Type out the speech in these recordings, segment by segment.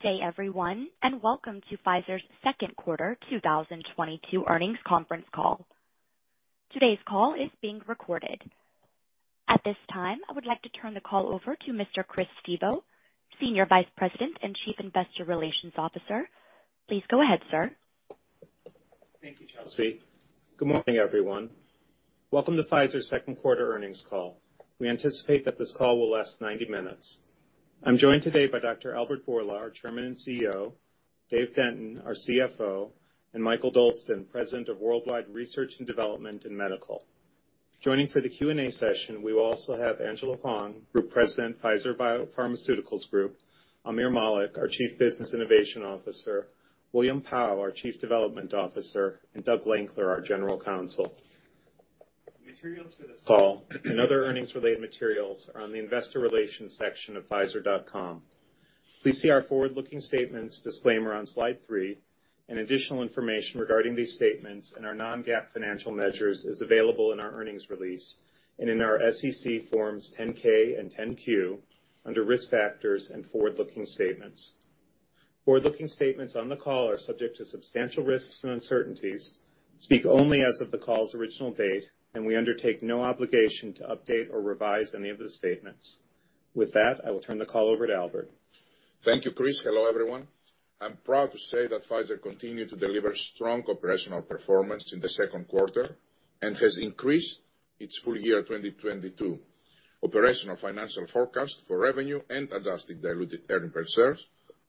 Good day, everyone, and welcome to Pfizer's second quarter 2022 earnings conference call. Today's call is being recorded. At this time, I would like to turn the call over to Mr. Chris Stevo, Senior Vice President and Chief Investor Relations Officer. Please go ahead, sir. Thank you, Chelsea. Good morning, everyone. Welcome to Pfizer's second quarter earnings call. We anticipate that this call will last 90 minutes. I'm joined today by Dr. Albert Bourla, our Chairman and CEO, Dave Denton, our CFO, and Mikael Dolsten, President of Worldwide Research and Development and Medical. Joining for the Q&A session, we will also have Angela Hwang, Group President, Pfizer Biopharmaceuticals Group, Aamir Malik, our Chief Business Innovation Officer, William Pao, our Chief Development Officer, and Douglas Lankler, our General Counsel. The materials for this call and other earnings-related materials are on the investor relations section of pfizer.com. Please see our forward-looking statements disclaimer on slide three, and additional information regarding these statements and our non-GAAP financial measures is available in our earnings release and in our SEC forms 10-K and 10-Q under Risk Factors and Forward-Looking Statements. Forward-looking statements on the call are subject to substantial risks and uncertainties, speak only as of the call's original date, and we undertake no obligation to update or revise any of the statements. With that, I will turn the call over to Albert. Thank you, Chris. Hello, everyone. I'm proud to say that Pfizer continued to deliver strong operational performance in the second quarter and has increased its full year 2022 operational financial forecast for revenue and adjusted diluted earnings per shares,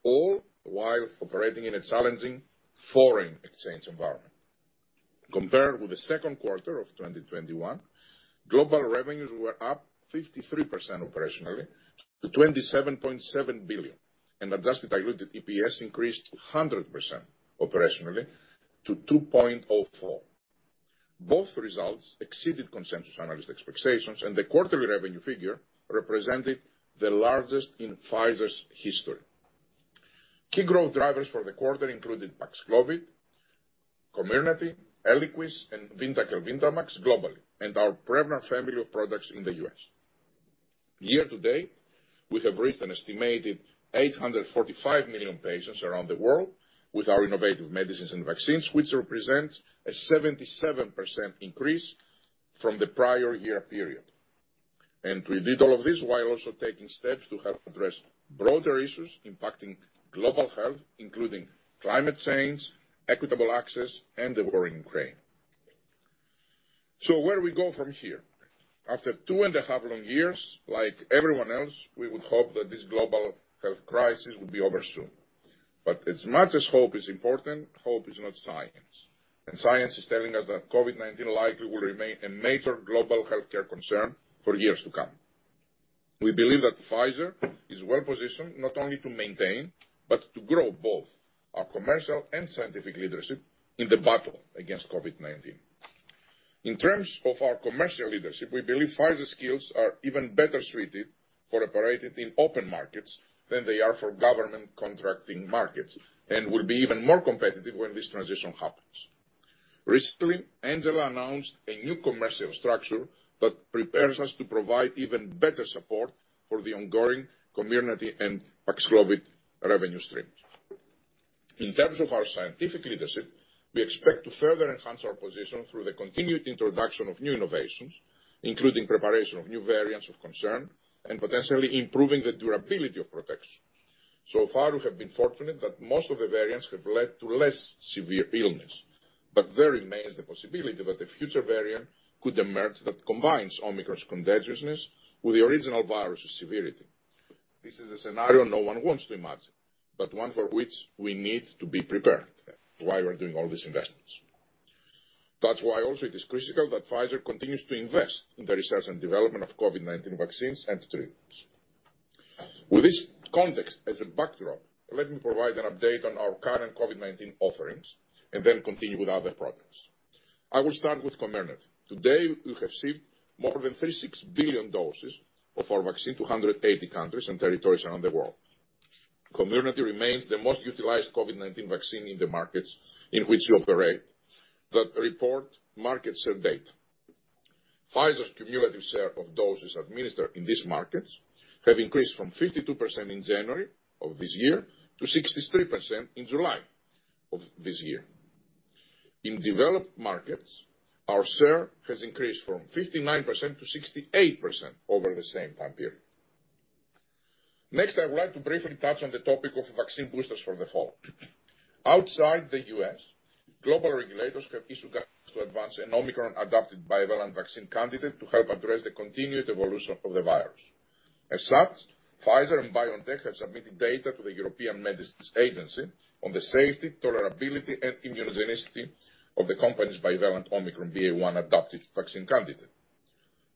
all while operating in a challenging foreign exchange environment. Compared with the second quarter of 2021, global revenues were up 53% operationally to $27.7 billion, and adjusted diluted EPS increased 100% operationally to 2.04. Both results exceeded consensus analyst expectations, and the quarterly revenue figure represented the largest in Pfizer's history. Key growth drivers for the quarter included PAXLOVID, COMIRNATY, ELIQUIS, and VYNDAQEL/VYNDAMAX globally, and our Prevnar family of products in the U.S. Year to date, we have reached an estimated 845 million patients around the world with our innovative medicines and vaccines, which represents a 77% increase from the prior year period. We did all of this while also taking steps to help address broader issues impacting global health, including climate change, equitable access, and the war in Ukraine. Where do we go from here? After 2.5-long years, like everyone else, we would hope that this global health crisis would be over soon. But as much as hope is important, hope is not science. Science is telling us that COVID-19 likely will remain a major global healthcare concern for years to come. We believe that Pfizer is well-positioned not only to maintain, but to grow both our commercial and scientific leadership in the battle against COVID-19. In terms of our commercial leadership, we believe Pfizer's skills are even better suited for operating in open markets than they are for government contracting markets and will be even more competitive when this transition happens. Recently, Angela announced a new commercial structure that prepares us to provide even better support for the ongoing COMIRNATY and PAXLOVID revenue streams. In terms of our scientific leadership, we expect to further enhance our position through the continued introduction of new innovations, including preparation of new variants of concern and potentially improving the durability of protections. So far, we have been fortunate that most of the variants have led to less severe illness, but there remains the possibility that a future variant could emerge that combines Omicron's contagiousness with the original virus's severity. This is a scenario no one wants to imagine, but one for which we need to be prepared, why we're doing all these investments. That's why also it is critical that Pfizer continues to invest in the research and development of COVID-19 vaccines and treatments. With this context as a backdrop, let me provide an update on our current COVID-19 offerings and then continue with other products. I will start with COMIRNATY. Today, we have shipped more than 36 billion doses of our vaccine to 180 countries and territories around the world. COMIRNATY remains the most utilized COVID-19 vaccine in the markets in which we operate that report market share data. Pfizer's cumulative share of doses administered in these markets have increased from 52% in January of this year to 63% in July of this year. In developed markets, our share has increased from 59% to 68% over the same time period. Next, I would like to briefly touch on the topic of vaccine boosters for the fall. Outside the U.S., global regulators have issued guidance to advance an Omicron-adapted bivalent vaccine candidate to help address the continued evolution of the virus. As such, Pfizer and BioNTech have submitted data to the European Medicines Agency on the safety, tolerability, and immunogenicity of the company's bivalent Omicron BA.1-adapted vaccine candidate.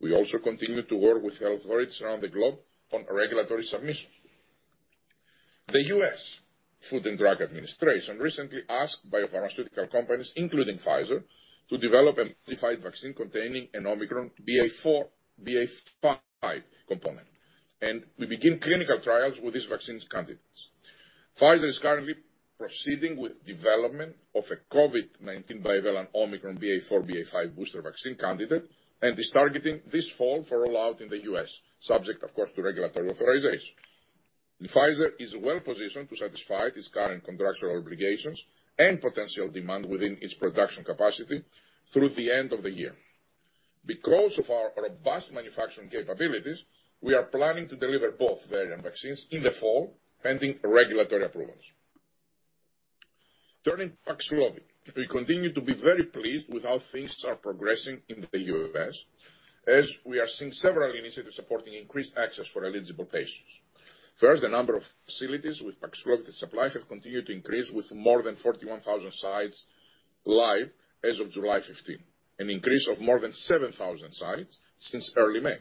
We also continue to work with health authorities around the globe on regulatory submissions. The U.S. Food and Drug Administration recently asked biopharmaceutical companies, including Pfizer, to develop an amplified vaccine containing an Omicron BA.4/BA.5 component, and we begin clinical trials with these vaccine candidates. Pfizer is currently proceeding with development of a COVID-19 bivalent Omicron BA.4/BA.5 booster vaccine candidate, and is targeting this fall for rollout in the U.S., subject of course to regulatory authorization. Pfizer is well-positioned to satisfy its current contractual obligations and potential demand within its production capacity through the end of the year. Because of our robust manufacturing capabilities, we are planning to deliver both variant vaccines in the fall, pending regulatory approvals. Turning to PAXLOVID. We continue to be very pleased with how things are progressing in the U.S., as we are seeing several initiatives supporting increased access for eligible patients. First, the number of facilities with PAXLOVID supply have continued to increase with more than 41,000 sites live as of July 15, an increase of more than 7,000 sites since early May.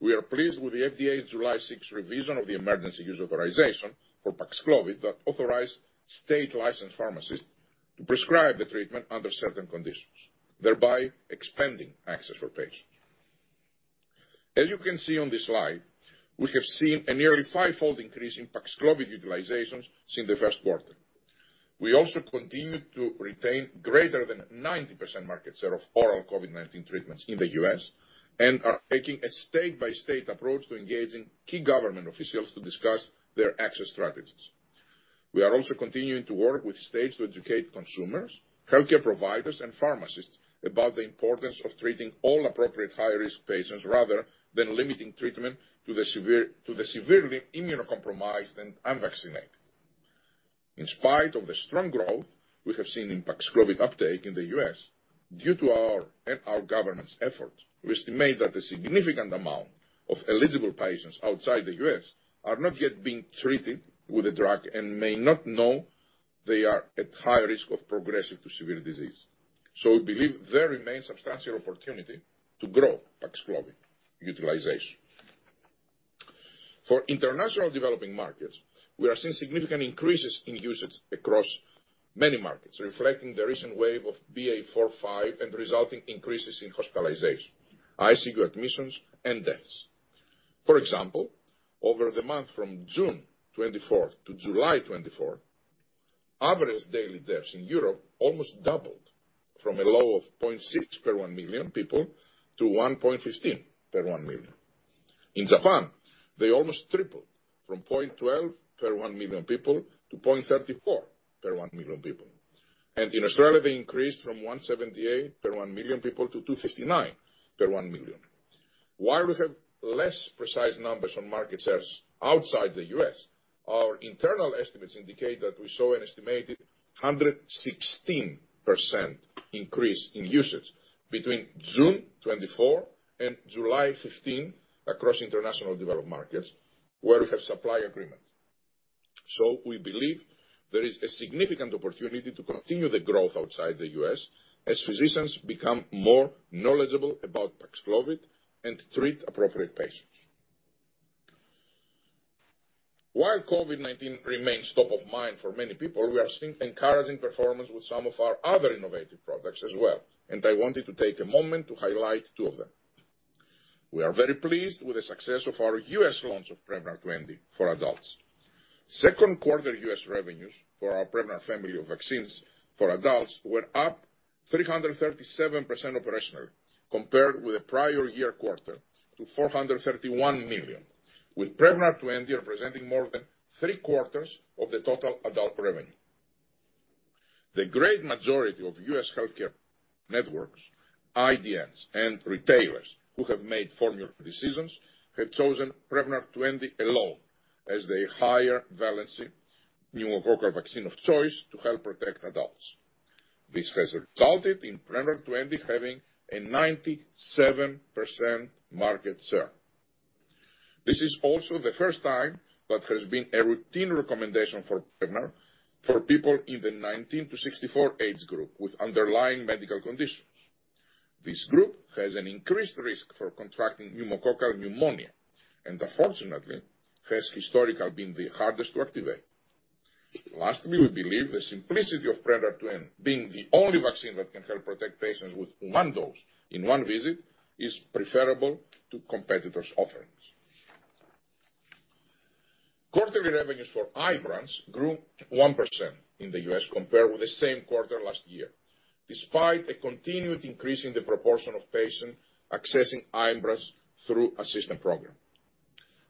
We are pleased with the FDA July 6 revision of the emergency use authorization for PAXLOVID that authorized state-licensed pharmacists to prescribe the treatment under certain conditions, thereby expanding access for patients. As you can see on this slide, we have seen a nearly five-fold increase in PAXLOVID utilizations since the first quarter. We also continue to retain greater than 90% market share of oral COVID-19 treatments in the U.S., and are taking a state-by-state approach to engaging key government officials to discuss their access strategies. We are also continuing to work with states to educate consumers, healthcare providers, and pharmacists about the importance of treating all appropriate high-risk patients rather than limiting treatment to the severely immunocompromised and unvaccinated. In spite of the strong growth we have seen in PAXLOVID uptake in the U.S., due to our and our government's efforts, we estimate that a significant amount of eligible patients outside the U.S. are not yet being treated with the drug and may not know they are at high risk of progressing to severe disease. We believe there remains substantial opportunity to grow PAXLOVID utilization. For international developing markets, we are seeing significant increases in usage across many markets, reflecting the recent wave of BA.4/BA.5 and resulting increases in hospitalization, ICU admissions, and deaths. For example, over the month from June 24th to July 24th, average daily deaths in Europe almost doubled from a low of 0.6 per 1 million people to 1.15 per 1 million. In Japan, they almost tripled from 0.12 per 1 million people to 0.34 per 1 million people. In Australia, they increased from 0.178 per 1 million people to 0.259 per 1 million. While we have less precise numbers on market shares outside the U.S., our internal estimates indicate that we saw an estimated 116% increase in usage between June 24 and July 15 across international developed markets where we have supply agreements. We believe there is a significant opportunity to continue the growth outside the U.S. as physicians become more knowledgeable about PAXLOVID and treat appropriate patients. While COVID-19 remains top of mind for many people, we are seeing encouraging performance with some of our other innovative products as well, and I wanted to take a moment to highlight two of them. We are very pleased with the success of our U.S. launch of Prevnar 20 for adults. Second quarter U.S. revenues for our Prevnar family of vaccines for adults were up 337% operational compared with the prior year quarter to $431 million, with Prevnar 20 representing more than 3/4 of the total adult revenue. The great majority of U.S. healthcare networks, IDNs, and retailers who have made formula decisions have chosen Prevnar 20 alone as their higher valency pneumococcal vaccine of choice to help protect adults. This has resulted in Prevnar 20 having a 97% market share. This is also the first time that there's been a routine recommendation for Prevnar for people in the 19-64 age group with underlying medical conditions. This group has an increased risk for contracting pneumococcal pneumonia, and unfortunately, has historically been the hardest to activate. Lastly, we believe the simplicity of Prevnar 20 being the only vaccine that can help protect patients with one dose in one visit is preferable to competitors' offerings. Quarterly revenues for IBRANCE grew 1% in the U.S. compared with the same quarter last year, despite a continued increase in the proportion of patients accessing IBRANCE through assistance program.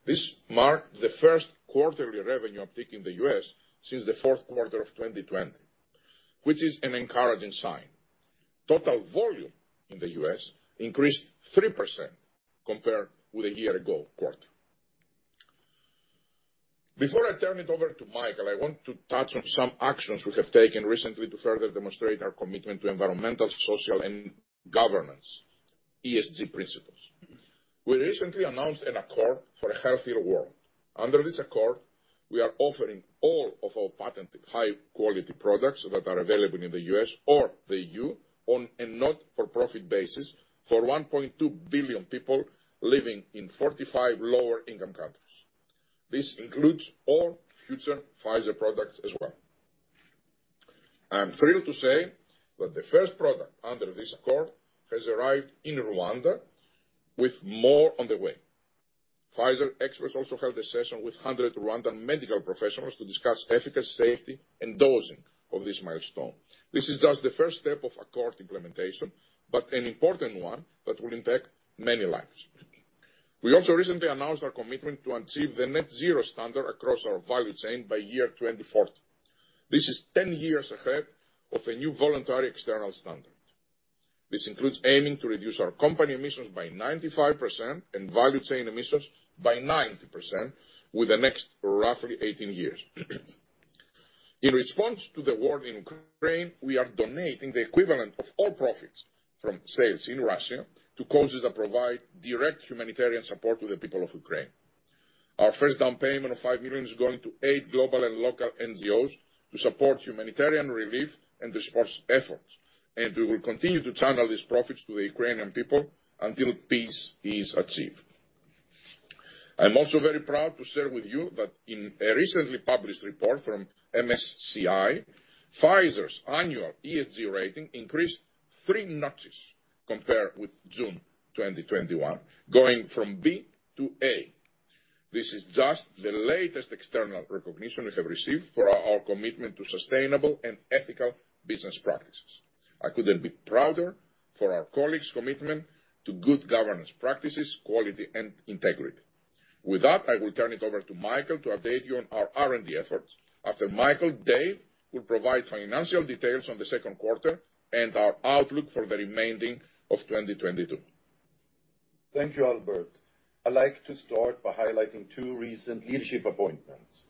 This marked the first quarterly revenue uptick in the U.S. since the fourth quarter of 2020, which is an encouraging sign. Total volume in the U.S. increased 3% compared with a year-ago quarter. Before I turn it over to Mikael, I want to touch on some actions we have taken recently to further demonstrate our commitment to environmental, social, and governance, ESG principles. We recently announced an Accord for a Healthier World. Under this accord, we are offering all of our patented high-quality products that are available in the U.S. or the EU on a not-for-profit basis for 1.2 billion people living in 45 lower income countries. This includes all future Pfizer products as well. I am thrilled to say that the first product under this accord has arrived in Rwanda with more on the way. Pfizer experts also held a session with 100 Rwandan medical professionals to discuss efficacy, safety, and dosing of this milestone. This is just the first step of accord implementation, but an important one that will impact many lives. We also recently announced our commitment to achieve the net zero standard across our value chain by 2040. This is 10 years ahead of a new voluntary external standard. This includes aiming to reduce our company emissions by 95% and value chain emissions by 90% within the next roughly 18 years. In response to the war in Ukraine, we are donating the equivalent of all profits from sales in Russia to causes that provide direct humanitarian support to the people of Ukraine. Our first down payment of $5 million is going to eight global and local NGOs to support humanitarian relief and discourse efforts. We will continue to channel these profits to the Ukrainian people until peace is achieved. I'm also very proud to share with you that in a recently published report from MSCI, Pfizer's annual ESG rating increased three notches compared with June 2021, going from B to A. This is just the latest external recognition we have received for our commitment to sustainable and ethical business practices. I couldn't be prouder for our colleagues' commitment to good governance practices, quality, and integrity. With that, I will turn it over to Mikael to update you on our R&D efforts. After Mikael, Dave will provide financial details on the second quarter and our outlook for the remaining of 2022. Thank you, Albert. I'd like to start by highlighting two recent leadership appointments.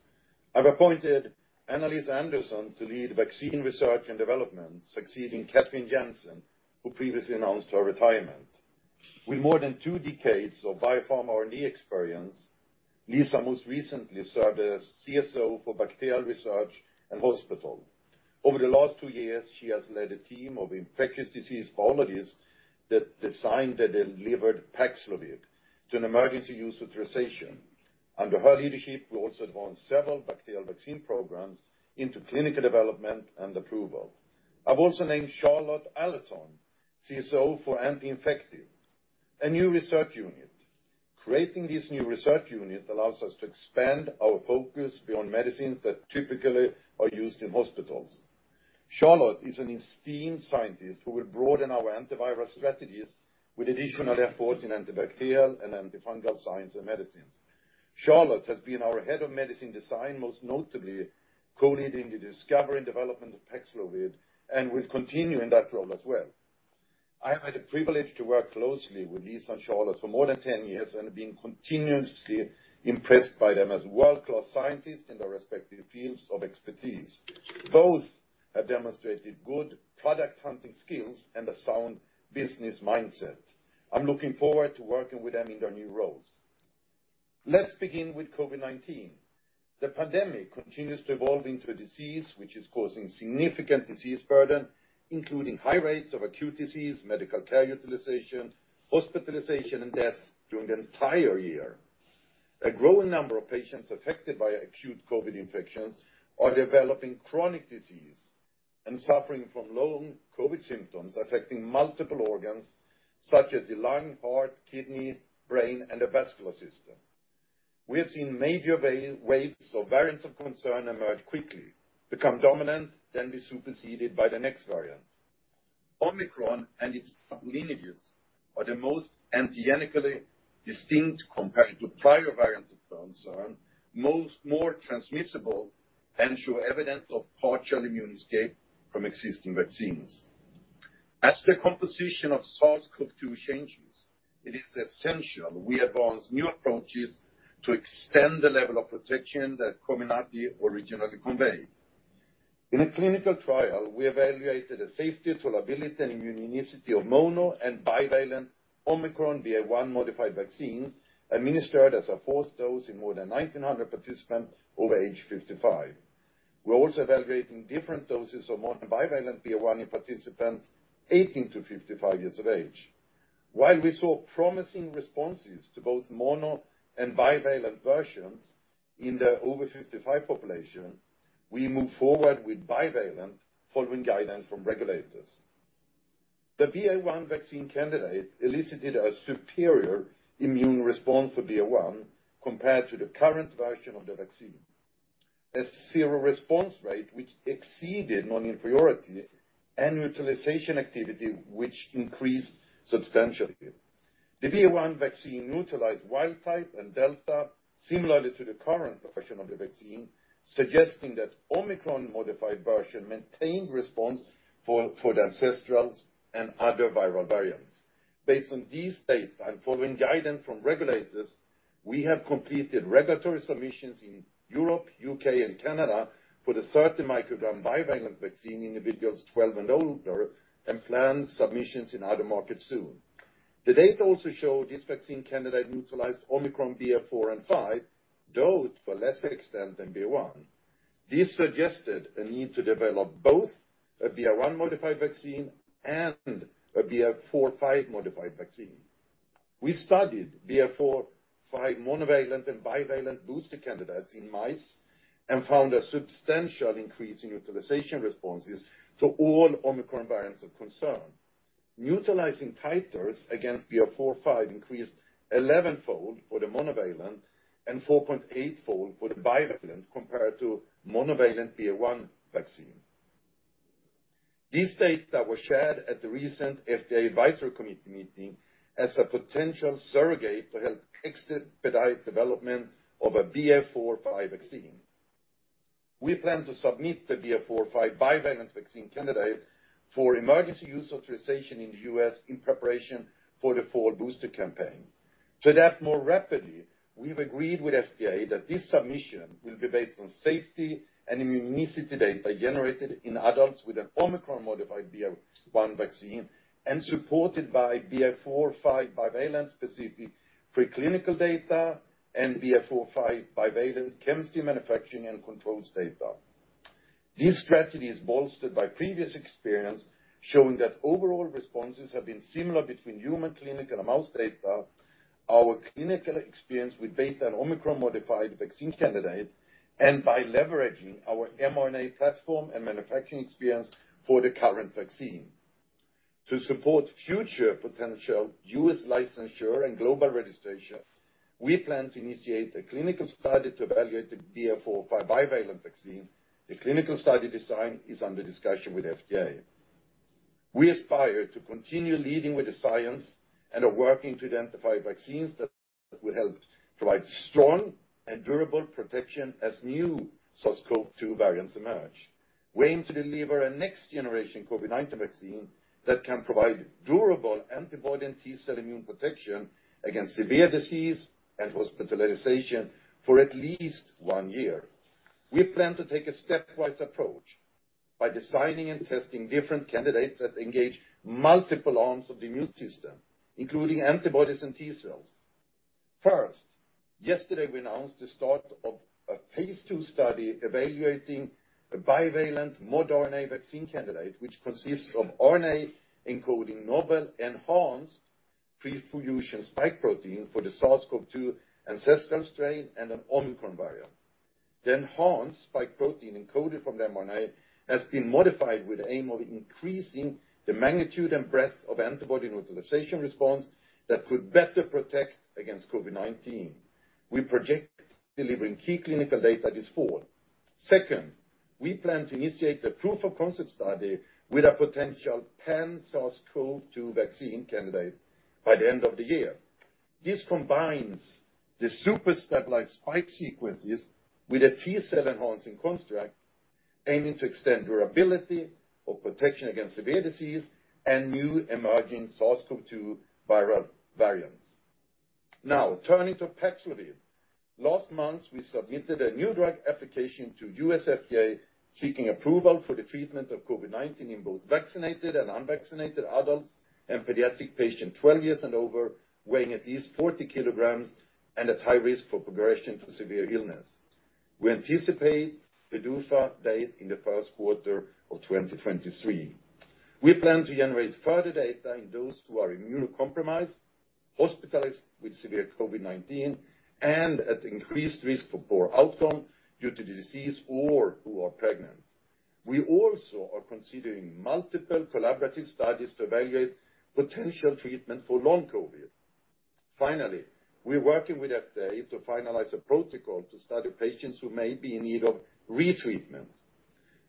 I've appointed Annaliesa Anderson to lead vaccine research and development, succeeding Kathrin Jansen, who previously announced her retirement. With more than 2 decades of biopharma R&D experience, Lisa most recently served as CSO for bacterial research and hospital. Over the last 2 years, she has led a team of infectious disease biologists that designed and delivered PAXLOVID to an emergency use authorization. Under her leadership, we also advanced several bacterial vaccine programs into clinical development and approval. I've also named Charlotte Allerton, CSO for anti-infective, a new research unit. Creating this new research unit allows us to expand our focus beyond medicines that typically are used in hospitals. Charlotte is an esteemed scientist who will broaden our antiviral strategies with additional efforts in antibacterial and antifungal science and medicines. Charlotte has been our Head of Medicine Design, most notably co-leading the discovery and development of PAXLOVID, and will continue in that role as well. I have had the privilege to work closely with Lisa and Charlotte for more than 10 years and have been continuously impressed by them as world-class scientists in their respective fields of expertise. Both have demonstrated good product hunting skills and a sound business mindset. I'm looking forward to working with them in their new roles. Let's begin with COVID-19. The pandemic continues to evolve into a disease which is causing significant disease burden, including high rates of acute disease, medical care utilization, hospitalization, and death during the entire year. A growing number of patients affected by acute COVID infections are developing chronic disease and suffering from long COVID symptoms affecting multiple organs such as the lung, heart, kidney, brain, and the vascular system. We have seen major waves of variants of concern emerge quickly, become dominant, then be superseded by the next variant. Omicron and its sublineages are the most antigenically distinct compared to prior variants of concern, much more transmissible and show evidence of partial immune escape from existing vaccines. As the composition of SARS-CoV-2 changes, it is essential we advance new approaches to extend the level of protection that COMIRNATY originally conveyed. In a clinical trial, we evaluated the safety, tolerability, and immunogenicity of mono and bivalent Omicron BA.1 modified vaccines administered as a fourth dose in more than 1,900 participants over age 55. We're also evaluating different doses of mono and bivalent BA.1 in participants 18-55 years of age. While we saw promising responses to both mono and bivalent versions in the over 55 population, we moved forward with bivalent following guidance from regulators. The BA.1 vaccine candidate elicited a superior immune response for BA.1 compared to the current version of the vaccine. A seroresponse rate, which exceeded non-inferiority, and neutralization activity, which increased substantially. The BA.1 vaccine neutralized wild type and Delta similarly to the current version of the vaccine, suggesting that Omicron-modified version maintained response for the ancestral and other viral variants. Based on these data and following guidance from regulators, we have completed regulatory submissions in Europe, U.K., and Canada for the 30 mcg bivalent vaccine in individuals 12 and older, and plan submissions in other markets soon. The data also show this vaccine candidate neutralized Omicron BA.4 and BA.5, though to a lesser extent than BA.1. This suggested a need to develop both a BA.1 modified vaccine and a BA.4-5 modified vaccine. We studied BA.4-5 monovalent and bivalent booster candidates in mice and found a substantial increase in neutralization responses to all Omicron variants of concern. Neutralizing titers against BA.4-5 increased 11-fold for the monovalent and 4.8-fold for the bivalent compared to monovalent BA.1 vaccine. These data were shared at the recent FDA Advisory Committee meeting as a potential surrogate to help expedite development of a BA.4-5 vaccine. We plan to submit the BA.4-5 bivalent vaccine candidate for emergency use authorization in the U.S. in preparation for the fall booster campaign. To adapt more rapidly, we've agreed with FDA that this submission will be based on safety and immunity data generated in adults with an Omicron-modified BA.1 vaccine and supported by BA.4-5 bivalent-specific preclinical data and BA.4-5 bivalent chemistry manufacturing and controls data. This strategy is bolstered by previous experience showing that overall responses have been similar between human clinical and mouse data, our clinical experience with Beta and Omicron-modified vaccine candidates, and by leveraging our mRNA platform and manufacturing experience for the current vaccine. To support future potential U.S. licensure and global registration, we plan to initiate a clinical study to evaluate the BA.4-5 bivalent vaccine. The clinical study design is under discussion with FDA. We aspire to continue leading with the science and are working to identify vaccines that will help provide strong and durable protection as new SARS-CoV-2 variants emerge. We aim to deliver a next-generation COVID-19 vaccine that can provide durable antibody and T-cell immune protection against severe disease and hospitalization for at least 1 year. We plan to take a stepwise approach by designing and testing different candidates that engage multiple arms of the immune system, including antibodies and T-cells. First, yesterday we announced the start of a phase II study evaluating a bivalent modRNA vaccine candidate, which consists of RNA encoding novel enhanced pre-fusion spike protein for the SARS-CoV-2 ancestral strain and an Omicron variant. The enhanced spike protein encoded from the mRNA has been modified with the aim of increasing the magnitude and breadth of antibody neutralization response that could better protect against COVID-19. We project delivering key clinical data this fall. Second, we plan to initiate a proof of concept study with a potential pan SARS-CoV-2 vaccine candidate by the end of the year. This combines the super stabilized spike sequences with a T-cell enhancing construct aiming to extend durability of protection against severe disease and new emerging SARS-CoV-2 viral variants. Now turning to PAXLOVID. Last month, we submitted a new drug application to U.S. FDA seeking approval for the treatment of COVID-19 in both vaccinated and unvaccinated adults and pediatric patients 12 years and over, weighing at least 40 kg and at high risk for progression to severe illness. We anticipate the PDUFA date in the first quarter of 2023. We plan to generate further data in those who are immunocompromised, hospitalized with severe COVID-19, and at increased risk for poor outcome due to the disease or who are pregnant. We also are considering multiple collaborative studies to evaluate potential treatment for long COVID. Finally, we're working with FDA to finalize a protocol to study patients who may be in need of retreatment.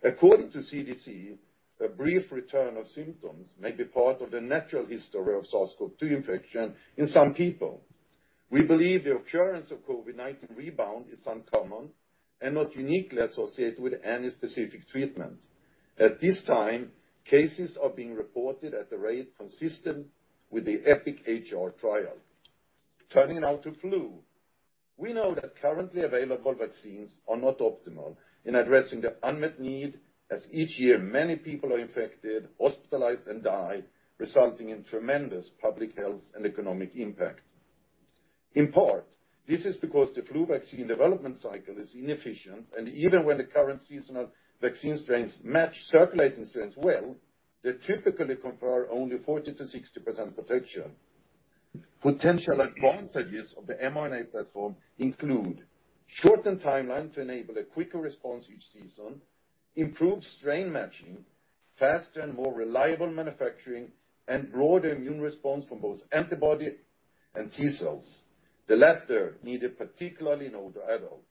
According to CDC, a brief return of symptoms may be part of the natural history of SARS-CoV-2 infection in some people. We believe the occurrence of COVID-19 rebound is uncommon and not uniquely associated with any specific treatment. At this time, cases are being reported at the rate consistent with the EPIC-HR trial. Turning now to flu. We know that currently available vaccines are not optimal in addressing the unmet need, as each year many people are infected, hospitalized, and die, resulting in tremendous public health and economic impact. In part, this is because the flu vaccine development cycle is inefficient, and even when the current seasonal vaccine strains match circulating strains well, they typically confer only 40%-60% protection. Potential advantages of the mRNA platform include shortened timeline to enable a quicker response each season, improved strain matching, faster and more reliable manufacturing, and broader immune response from both antibody and T-cells, the latter needed particularly in older adults.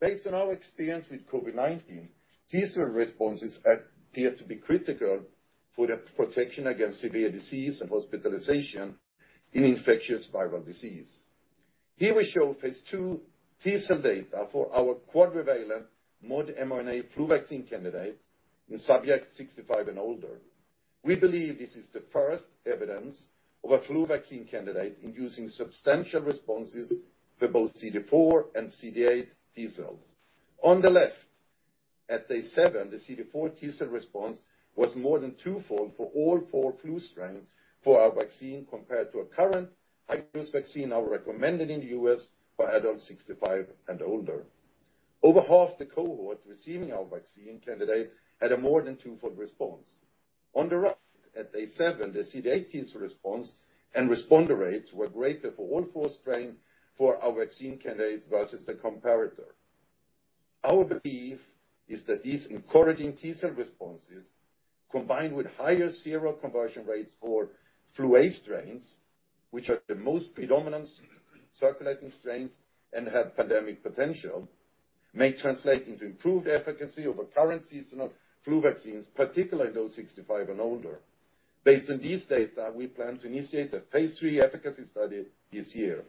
Based on our experience with COVID-19, T-cell responses appear to be critical for the protection against severe disease and hospitalization in infectious viral disease. Here we show phase II T-cell data for our quadrivalent modRNA flu vaccine candidates in subjects 65 and older. We believe this is the first evidence of a flu vaccine candidate inducing substantial responses for both CD4 and CD8 T-cells. On the left, at day 7, the CD4 T-cell response was more than twofold for all four flu strains for our vaccine compared to a current high-dose vaccine now recommended in the U.S. for adults 65 and older. Over half the cohort receiving our vaccine candidate had a more than twofold response. On the right, at day 7, the CD8's response and responder rates were greater for all four strains for our vaccine candidate versus the comparator. Our belief is that these encouraging T-cell responses, combined with higher seroconversion rates for flu A strains, which are the most predominant circulating strains and have pandemic potential, may translate into improved efficacy over current seasonal flu vaccines, particularly in those 65 and older. Based on these data, we plan to initiate a phase III efficacy study this year.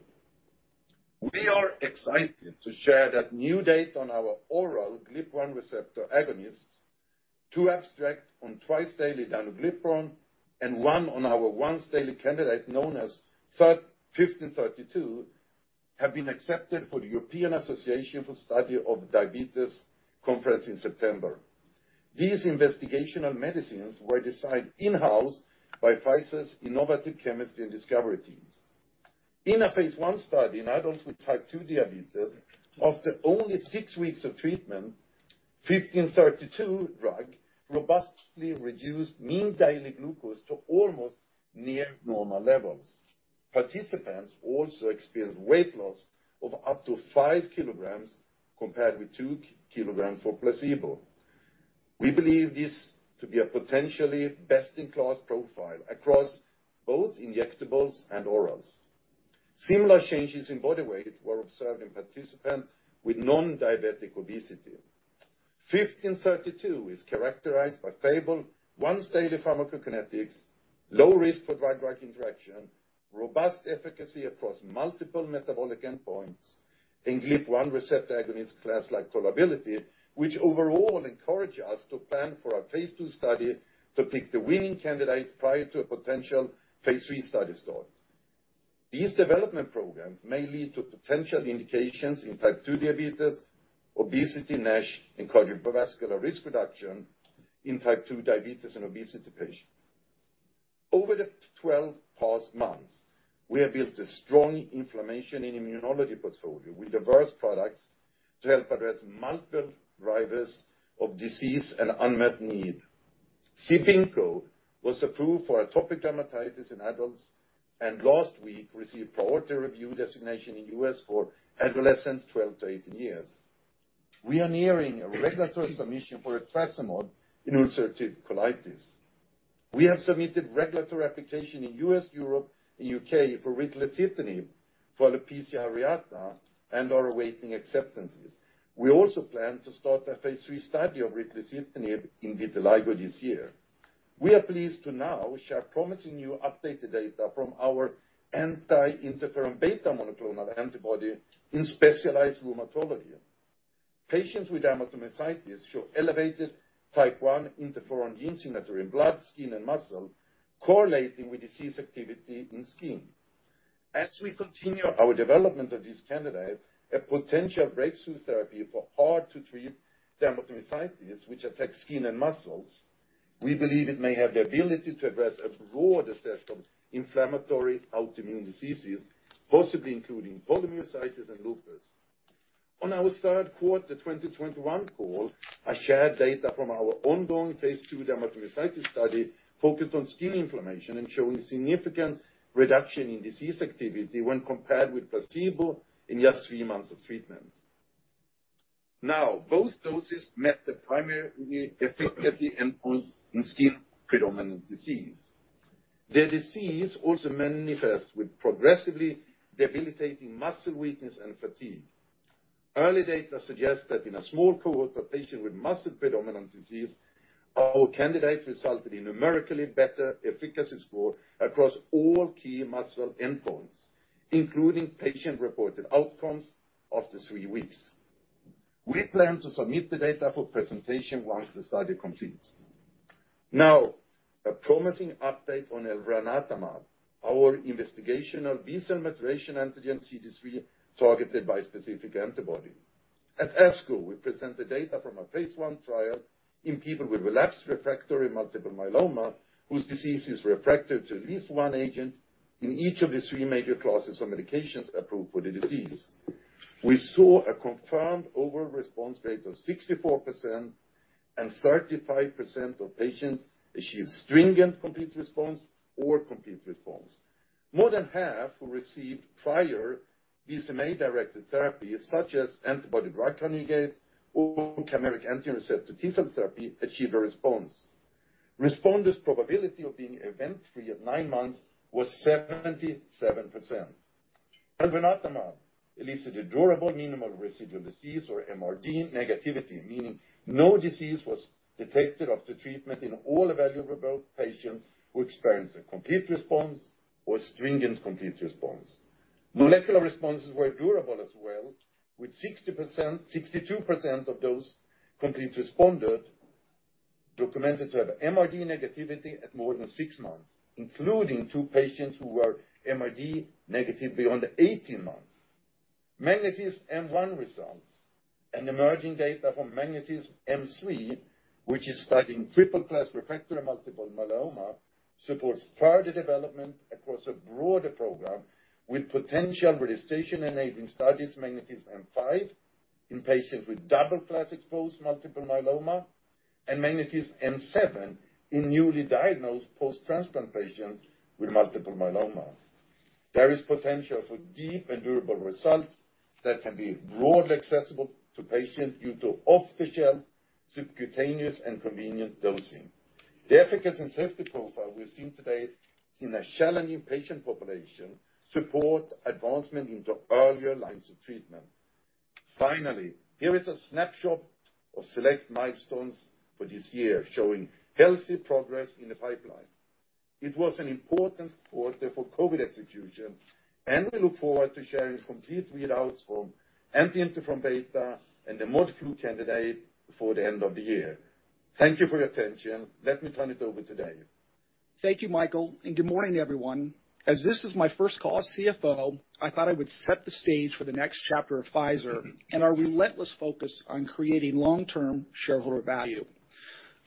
We are excited to share that new data on our oral GLP-1 receptor agonist: two abstracts on twice-daily danuglipron and one on our once-daily candidate known as PF-07081532 have been accepted for the European Association for the Study of Diabetes conference in September. These investigational medicines were designed in-house by Pfizer's innovative chemistry and discovery teams. In a phase I study in adults with type 2 diabetes, after only 6 weeks of treatment, PF-07081532 drug robustly reduced mean daily glucose to almost near normal levels. Participants also experienced weight loss of up to 5 kg compared with 2 kg for placebo. We believe this to be a potentially best-in-class profile across both injectables and orals. Similar changes in body weight were observed in participants with non-diabetic obesity. PF-07081532 is characterized by favorable once-daily pharmacokinetics, low risk for drug-drug interaction, robust efficacy across multiple metabolic endpoints in GLP-1 receptor agonist class liability, which overall encourage us to plan for a phase II study to pick the winning candidate prior to a potential phase III study start. These development programs may lead to potential indications in type 2 diabetes, obesity, NASH, and cardiovascular risk reduction in type 2 diabetes and obesity patients. Over the past 12 months, we have built a strong inflammation and immunology portfolio with diverse products to help address multiple drivers of disease and unmet need. CIBINQO was approved for atopic dermatitis in adults, and last week received priority review designation in U.S. for adolescents 12-18 years. We are nearing a regulatory submission for etrasimod in ulcerative colitis. We have submitted regulatory application in U.S., Europe, and U.K. for ritlecitinib, for alopecia areata, and are awaiting acceptances. We also plan to start a phase III study of ritlecitinib in vitiligo this year. We are pleased to now share promising new updated data from our anti-interferon beta monoclonal antibody in specialized rheumatology. Patients with dermatomyositis show elevated type I interferon gene signature in blood, skin, and muscle correlating with disease activity in skin. As we continue our development of this candidate, a potential breakthrough therapy for hard-to-treat dermatomyositis, which affects skin and muscles, we believe it may have the ability to address a broader set of inflammatory autoimmune diseases, possibly including polymyositis and lupus. On our third quarter 2021 call, I shared data from our ongoing phase II dermatomyositis study focused on skin inflammation and showing significant reduction in disease activity when compared with placebo in just 3 months of treatment. Both doses met the primary efficacy endpoint in skin-predominant disease. The disease also manifests with progressively debilitating muscle weakness and fatigue. Early data suggests that in a small cohort of patients with muscle-predominant disease, our candidate resulted in numerically better efficacy score across all key muscle endpoints, including patient-reported outcomes after 3 weeks. We plan to submit the data for presentation once the study completes. A promising update on elranatamab, our investigational B-cell maturation antigen CD3-targeted bispecific antibody. At ASCO, we presented data from a phase I trial in people with relapsed refractory multiple myeloma, whose disease is refractory to at least one agent in each of the three major classes of medications approved for the disease. We saw a confirmed overall response rate of 64% and 35% of patients achieved stringent complete response or complete response. More than half who received prior BCMA-directed therapy, such as antibody drug conjugate or chimeric antigen receptor T-cell therapy, achieved a response. Responders probability of being event-free at 9 months was 77%. Elranatamab elicited durable minimal residual disease or MRD negativity, meaning no disease was detected after treatment in all evaluable patients who experienced a complete response or stringent complete response. Molecular responses were durable as well, with 60%, 62% of those complete responders documented to have MRD negativity at more than 6 months, including two patients who were MRD negative beyond 18 months. MagnetisMM-1 results and emerging data from MagnetisMM-3, which is studying triple-class refractory multiple myeloma, support further development across a broader program with potential registration-enabling studies, MagnetisMM-5 in patients with double-class exposed multiple myeloma, and MagnetisMM-7 in newly diagnosed post-transplant patients with multiple myeloma. There is potential for deep and durable results that can be broadly accessible to patients due to off-the-shelf subcutaneous and convenient dosing. The efficacy and safety profile we've seen today in a challenging patient population support advancement into earlier lines of treatment. Finally, here is a snapshot of select milestones for this year, showing healthy progress in the pipeline. It was an important quarter for COVID execution, and we look forward to sharing complete readouts from anti-interferon beta and the mod flu candidate before the end of the year. Thank you for your attention. Let me turn it over to Dave. Thank you, Mikael, and good morning, everyone. As this is my first call as CFO, I thought I would set the stage for the next chapter of Pfizer and our relentless focus on creating long-term shareholder value.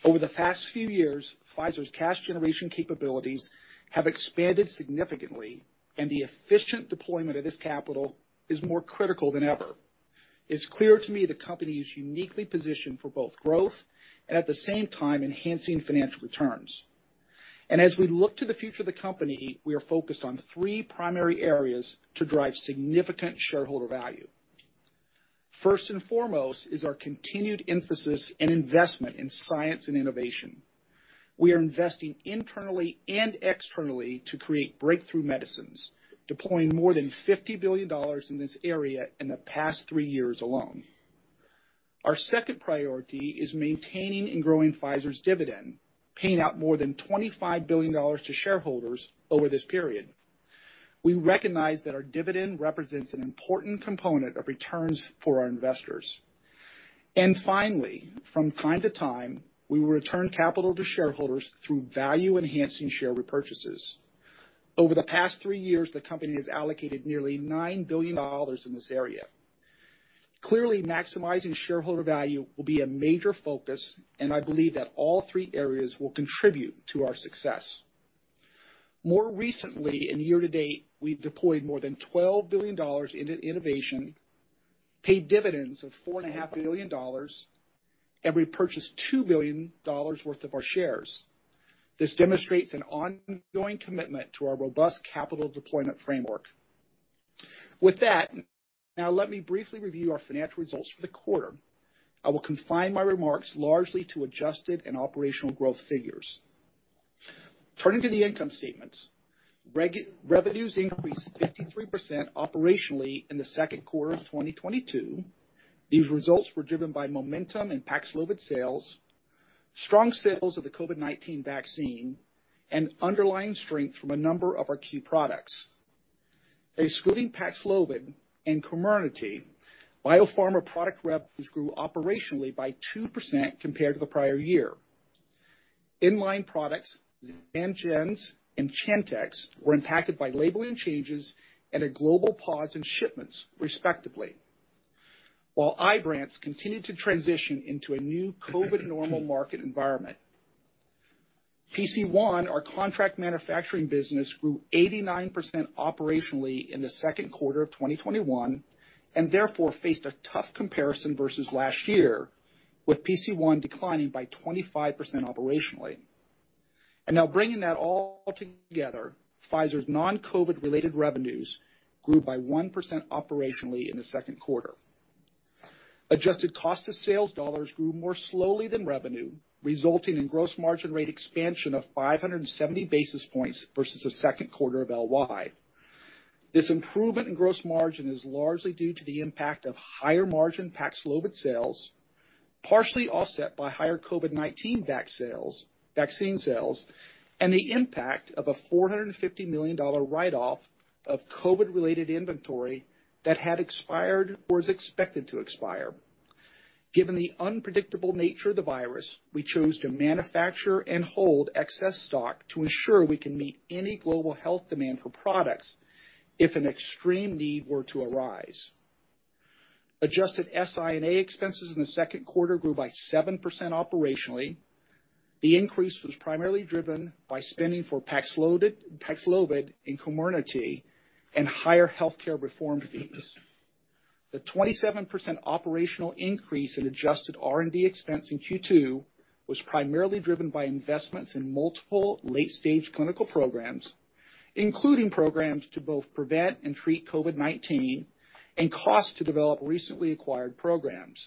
Over the past few years, Pfizer's cash generation capabilities have expanded significantly, and the efficient deployment of this capital is more critical than ever. It's clear to me the company is uniquely positioned for both growth and at the same time enhancing financial returns. As we look to the future of the company, we are focused on three primary areas to drive significant shareholder value. First and foremost is our continued emphasis and investment in science and innovation. We are investing internally and externally to create breakthrough medicines, deploying more than $50 billion in this area in the past 3 years alone. Our second priority is maintaining and growing Pfizer's dividend, paying out more than $25 billion to shareholders over this period. We recognize that our dividend represents an important component of returns for our investors. Finally, from time to time, we will return capital to shareholders through value-enhancing share repurchases. Over the past 3 years, the company has allocated nearly $9 billion in this area. Clearly, maximizing shareholder value will be a major focus, and I believe that all three areas will contribute to our success. More recently, year-to-date, we've deployed more than $12 billion into innovation, paid dividends of $4.5 billion, and repurchased $2 billion worth of our shares. This demonstrates an ongoing commitment to our robust capital deployment framework. With that, now let me briefly review our financial results for the quarter. I will confine my remarks largely to adjusted and operational growth figures. Turning to the income statements, revenues increased 53% operationally in the second quarter of 2022. These results were driven by momentum in PAXLOVID sales, strong sales of the COVID-19 vaccine, and underlying strength from a number of our key products. Excluding PAXLOVID and COMIRNATY, biopharma product revenues grew operationally by 2% compared to the prior year. In-line products, XELJANZ and CHANTIX, were impacted by labeling changes and a global pause in shipments, respectively. While IBRANCE continued to transition into a new COVID normal market environment. PC1, our contract manufacturing business, grew 89% operationally in the second quarter of 2021, and therefore faced a tough comparison versus last year, with PC1 declining by 25% operationally. Now bringing that all together, Pfizer's non-COVID-related revenues grew by 1% operationally in the second quarter. Adjusted cost of sales dollars grew more slowly than revenue, resulting in gross margin rate expansion of 570 basis points versus the second quarter of LY. This improvement in gross margin is largely due to the impact of higher-margin PAXLOVID sales, partially offset by higher COVID-19 vac sales, vaccine sales, and the impact of a $450 million write-off of COVID-related inventory that had expired or is expected to expire. Given the unpredictable nature of the virus, we chose to manufacture and hold excess stock to ensure we can meet any global health demand for products if an extreme need were to arise. Adjusted SI&A expenses in the second quarter grew by 7% operationally. The increase was primarily driven by spending for PAXLOVID and COMIRNATY and higher healthcare reform fees. The 27% operational increase in adjusted R&D expense in Q2 was primarily driven by investments in multiple late-stage clinical programs, including programs to both prevent and treat COVID-19 and cost to develop recently acquired programs.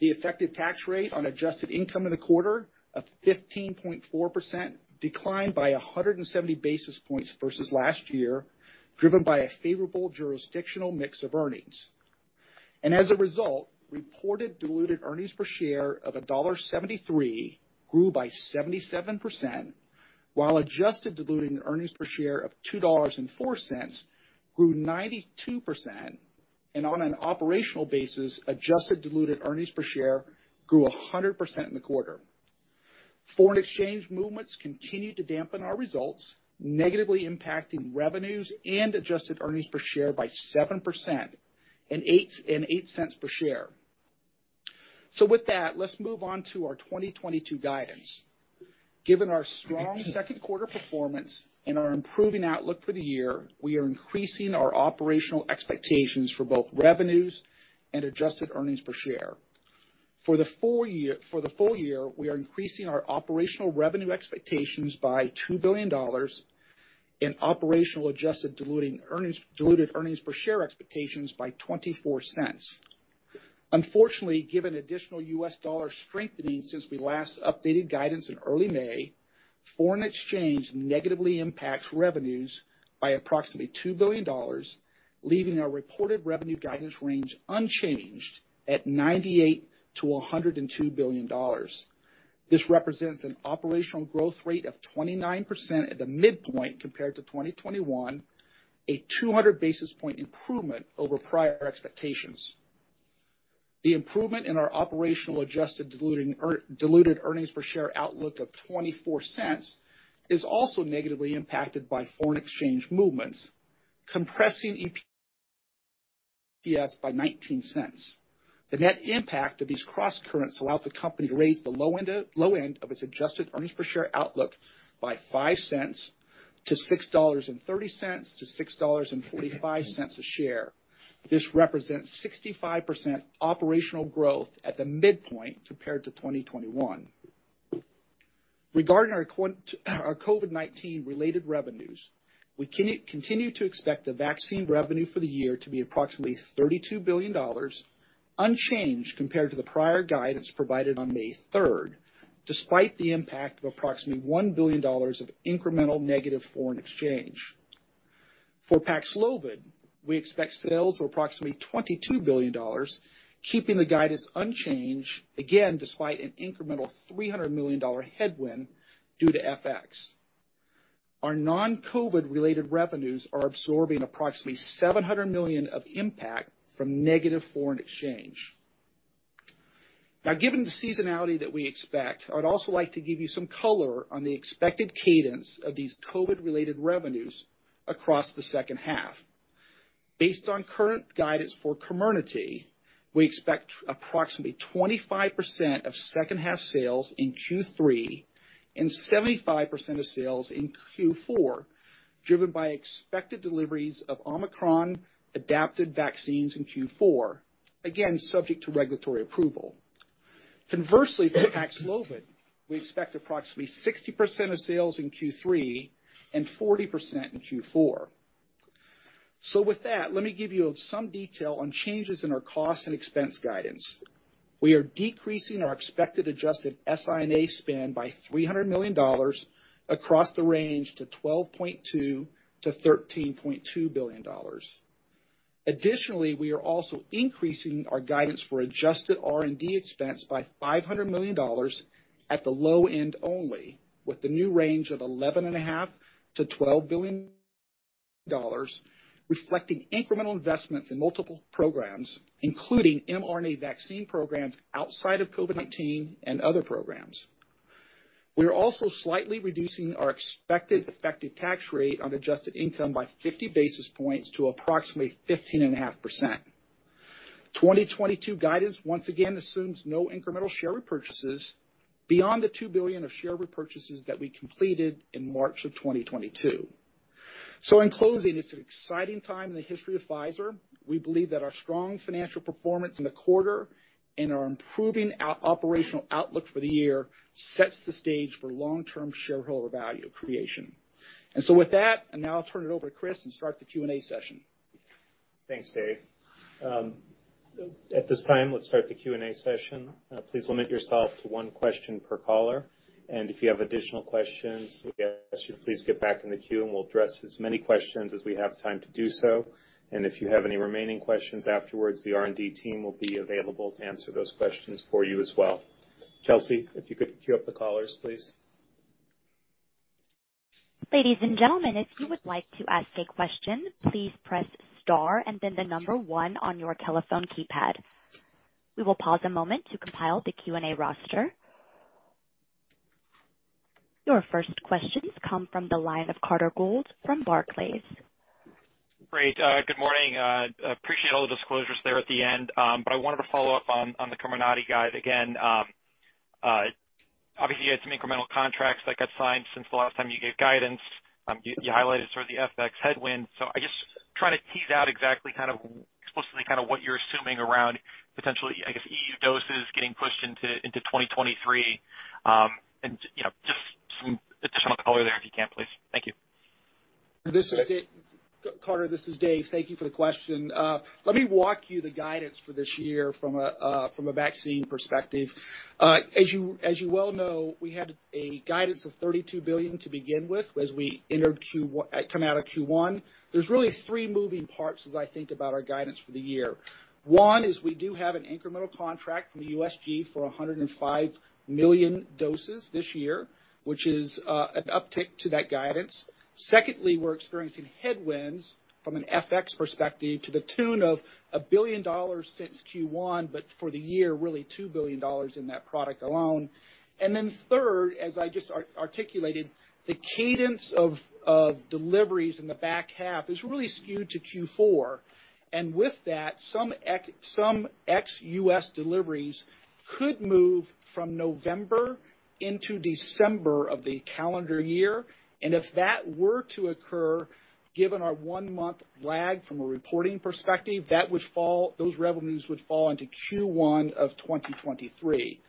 The effective tax rate on adjusted income in the quarter of 15.4% declined by 170 basis points versus last year, driven by a favorable jurisdictional mix of earnings. As a result, reported diluted earnings per share of $1.73 grew by 77%, while adjusted diluted earnings per share of $2.04 grew 92%. On an operational basis, adjusted diluted earnings per share grew 100% in the quarter. Foreign exchange movements continue to dampen our results, negatively impacting revenues and adjusted earnings per share by 7% and 8- and $0.08 per share. With that, let's move on to our 2022 guidance. Given our strong second quarter performance and our improving outlook for the year, we are increasing our operational expectations for both revenues and adjusted earnings per share. For the full year, we are increasing our operational revenue expectations by $2 billion and operational adjusted diluted earnings per share expectations by $0.24. Unfortunately, given additional U.S. dollar strengthening since we last updated guidance in early May, foreign exchange negatively impacts revenues by approximately $2 billion, leaving our reported revenue guidance range unchanged at $98 billion-$102 billion. This represents an operational growth rate of 29% at the midpoint compared to 2021, a 200 basis point improvement over prior expectations. The improvement in our operational adjusted diluted earnings per share outlook of $0.24 is also negatively impacted by foreign exchange movements, compressing EPS by $0.19. The net impact of these crosscurrents allows the company to raise the low end of its adjusted earnings per share outlook by $0.05 to $6.30-$6.45 a share. This represents 65% operational growth at the midpoint compared to 2021. Regarding our COVID-19 related revenues, we continue to expect the vaccine revenue for the year to be approximately $32 billion, unchanged compared to the prior guidance provided on May 3rd, despite the impact of approximately $1 billion of incremental negative foreign exchange. For PAXLOVID, we expect sales of approximately $22 billion, keeping the guidance unchanged again, despite an incremental $300 million headwind due to FX. Our non-COVID related revenues are absorbing approximately $700 million of impact from negative foreign exchange. Now, given the seasonality that we expect, I would also like to give you some color on the expected cadence of these COVID-related revenues across the second half. Based on current guidance for COMIRNATY, we expect approximately 25% of second half sales in Q3 and 75% of sales in Q4, driven by expected deliveries of Omicron-adapted vaccines in Q4, again, subject to regulatory approval. Conversely, for PAXLOVID, we expect approximately 60% of sales in Q3 and 40% in Q4. With that, let me give you some detail on changes in our cost and expense guidance. We are decreasing our expected adjusted SI&A spend by $300 million across the range to $12.2 billion-$13.2 billion. Additionally, we are also increasing our guidance for adjusted R&D expense by $500 million at the low end only, with the new range of $11.5 billion-$12 billion, reflecting incremental investments in multiple programs, including mRNA vaccine programs outside of COVID-19 and other programs. We are also slightly reducing our expected effective tax rate on adjusted income by 50 basis points to approximately 15.5%. 2022 guidance once again assumes no incremental share repurchases beyond the $2 billion of share repurchases that we completed in March of 2022. In closing, it's an exciting time in the history of Pfizer. We believe that our strong financial performance in the quarter and our improving operational outlook for the year sets the stage for long-term shareholder value creation. With that, I'll now turn it over to Chris and start the Q&A session. Thanks, Dave. At this time, let's start the Q&A session. Please limit yourself to one question per caller. If you have additional questions, we ask you to please get back in the queue, and we'll address as many questions as we have time to do so. If you have any remaining questions afterwards, the R&D team will be available to answer those questions for you as well. Chelsea, if you could queue up the callers, please. Ladies and gentlemen, if you would like to ask a question, please press star and then the number one on your telephone keypad. We will pause a moment to compile the Q&A roster. Your first questions come from the line of Carter Gould from Barclays. Great. Good morning. Appreciate all the disclosures there at the end. I wanted to follow up on the COMIRNATY guidance again. Obviously, you had some incremental contracts that got signed since the last time you gave guidance. You highlighted sort of the FX headwind. I just try to tease out exactly kind of explicitly kind of what you're assuming around potentially, I guess, EU doses getting pushed into 2023. You know, just some additional color there if you can, please. Thank you. Carter, this is Dave. Thank you for the question. Let me walk you through the guidance for this year from a vaccine perspective. As you well know, we had a guidance of $32 billion to begin with as we entered Q1, come out of Q1. There's really three moving parts as I think about our guidance for the year. One is we do have an incremental contract from the USG for 105 million doses this year. Which is an uptick to that guidance. Secondly, we're experiencing headwinds from an FX perspective to the tune of $1 billion since Q1, but for the year, really $2 billion in that product alone. Then third, as I just articulated, the cadence of deliveries in the back half is really skewed to Q4. With that, some ex-U.S. deliveries could move from November into December of the calendar year. If that were to occur, given our one-month lag from a reporting perspective, that would fall. Those revenues would fall into Q1 of 2023.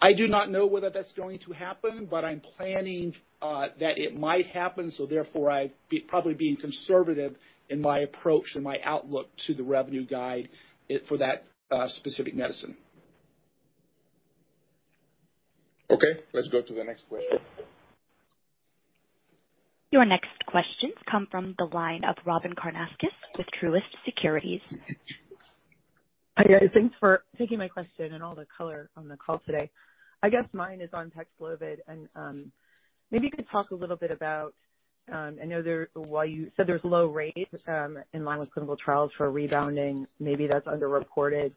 I do not know whether that's going to happen, but I'm planning that it might happen, so therefore I'm probably being conservative in my approach and my outlook to the revenue guide for that specific medicine. Okay, let's go to the next question. Your next questions come from the line of Robyn Karnauskas with Truist Securities. Hi, guys. Thanks for taking my question and all the color on the call today. I guess mine is on PAXLOVID, and maybe you could talk a little bit about, I know while you said there's low rate in line with clinical trials for rebounding, maybe that's underreported,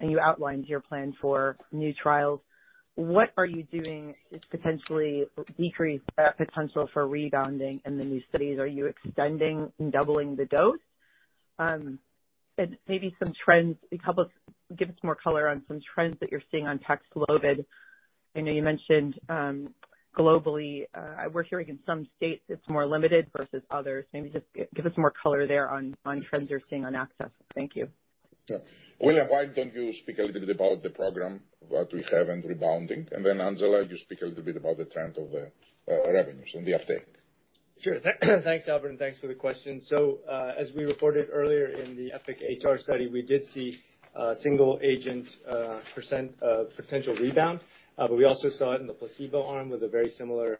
and you outlined your plan for new trials. What are you doing to potentially decrease that potential for rebounding in the new studies? Are you extending and doubling the dose? Maybe some trends. Give us more color on some trends that you're seeing on PAXLOVID. I know you mentioned globally, we're hearing in some states it's more limited versus others. Maybe just give us more color there on trends you're seeing on access. Thank you. Yeah. William, why don't you speak a little bit about the program that we have and rebounding, and then, Angela, you speak a little bit about the trend of the revenues and the uptake. Sure. Thanks, Albert, and thanks for the question. As we reported earlier in the EPIC-HR study, we did see single agent percent potential rebound, but we also saw it in the placebo arm with a very similar-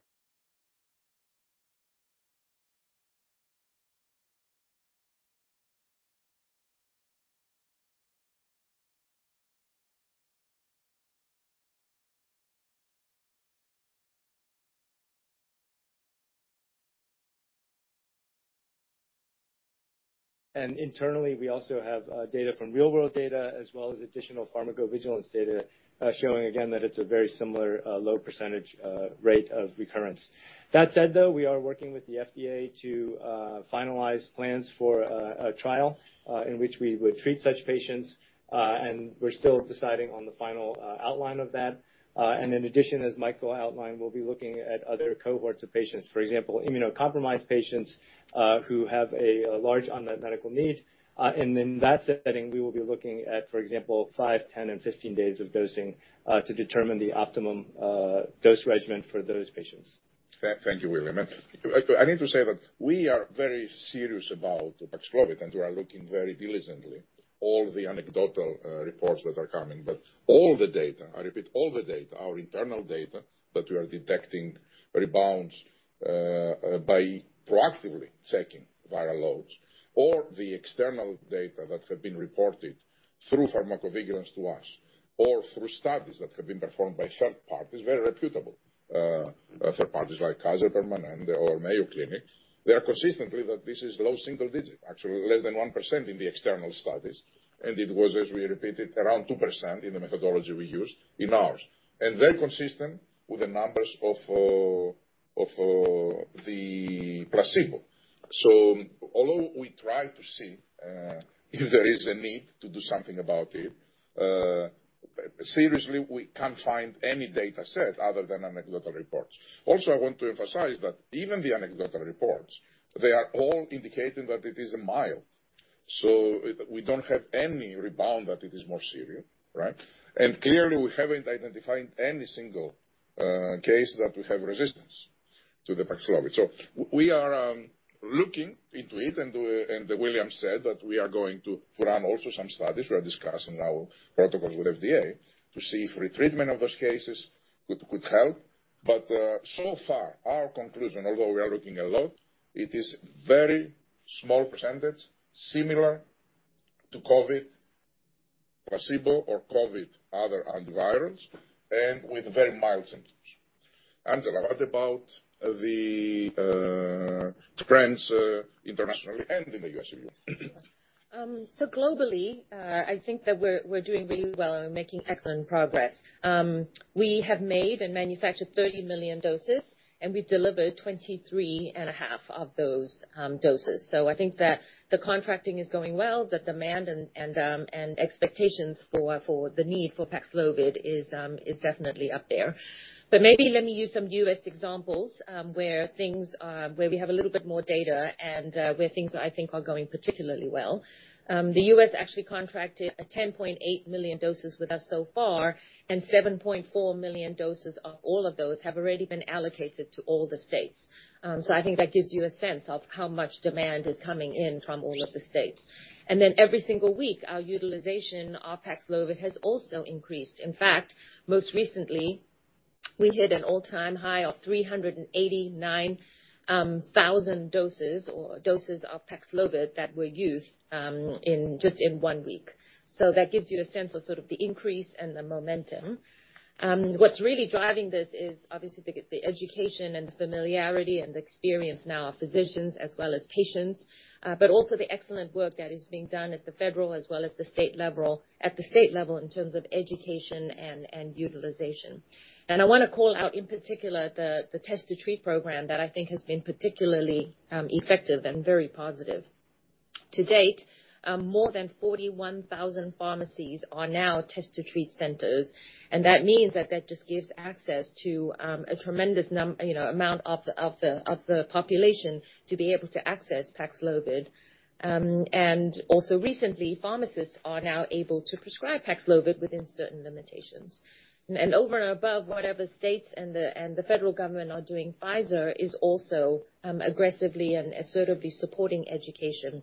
Internally, we also have data from real-world data as well as additional pharmacovigilance data showing again that it's a very similar low percentage rate of recurrence. That said, though, we are working with the FDA to finalize plans for a trial in which we would treat such patients, and we're still deciding on the final outline of that. In addition, as Mikael outlined, we'll be looking at other cohorts of patients. For example, immunocompromised patients who have a large unmet medical need. In that setting, we will be looking at, for example, 5, 10, and 15 days of dosing to determine the optimum dose regimen for those patients. Thank you, William. I need to say that we are very serious about PAXLOVID, and we are looking very diligently all the anecdotal reports that are coming. All the data, I repeat, all the data, our internal data, that we are detecting rebounds by proactively checking viral loads or the external data that have been reported through pharmacovigilance to us or through studies that have been performed by third parties, very reputable third parties like Kaiser Permanente or Mayo Clinic, they are consistently that this is low single digit, actually less than 1% in the external studies. It was, as we repeated, around 2% in the methodology we used in ours, and very consistent with the numbers of the placebo. Although we try to see if there is a need to do something about it, seriously, we can't find any data set other than anecdotal reports. Also, I want to emphasize that even the anecdotal reports, they are all indicating that it is mild. We don't have any rebound that it is more serious, right? Clearly, we haven't identified any single case that we have resistance to the PAXLOVID. We are looking into it, and William said that we are going to run also some studies. We are discussing now protocols with FDA to see if retreatment of those cases could help. So far, our conclusion, although we are looking a lot, it is very small percentage, similar to COVID placebo or COVID other antivirals and with very mild symptoms. Angela, what about the trends internationally and in the U.S. with you? Globally, I think that we're doing really well and we're making excellent progress. We have made and manufactured 30 million doses, and we've delivered 23.5 million of those doses. I think that the contracting is going well, the demand and expectations for the need for PAXLOVID is definitely up there. Maybe let me use some U.S. examples, where we have a little bit more data and where things I think are going particularly well. The U.S. actually contracted 10.8 million doses with us so far, and 7.4 million doses of all of those have already been allocated to all the states. I think that gives you a sense of how much demand is coming in from all of the states. Every single week, our utilization of PAXLOVID has also increased. In fact, most recently. We hit an all-time high of 389,000 doses of PAXLOVID that were used in just one week. That gives you a sense of the increase and the momentum. What's really driving this is obviously the education and familiarity and experience now of physicians as well as patients, but also the excellent work that is being done at the federal as well as the state level in terms of education and utilization. I wanna call out in particular the Test to Treat program that I think has been particularly effective and very positive. To date, more than 41,000 pharmacies are now Test to Treat centers, and that means that just gives access to a tremendous, you know, amount of the population to be able to access PAXLOVID. Also recently, pharmacists are now able to prescribe PAXLOVID within certain limitations. Over and above whatever states and the federal government are doing, Pfizer is also aggressively and assertively supporting education.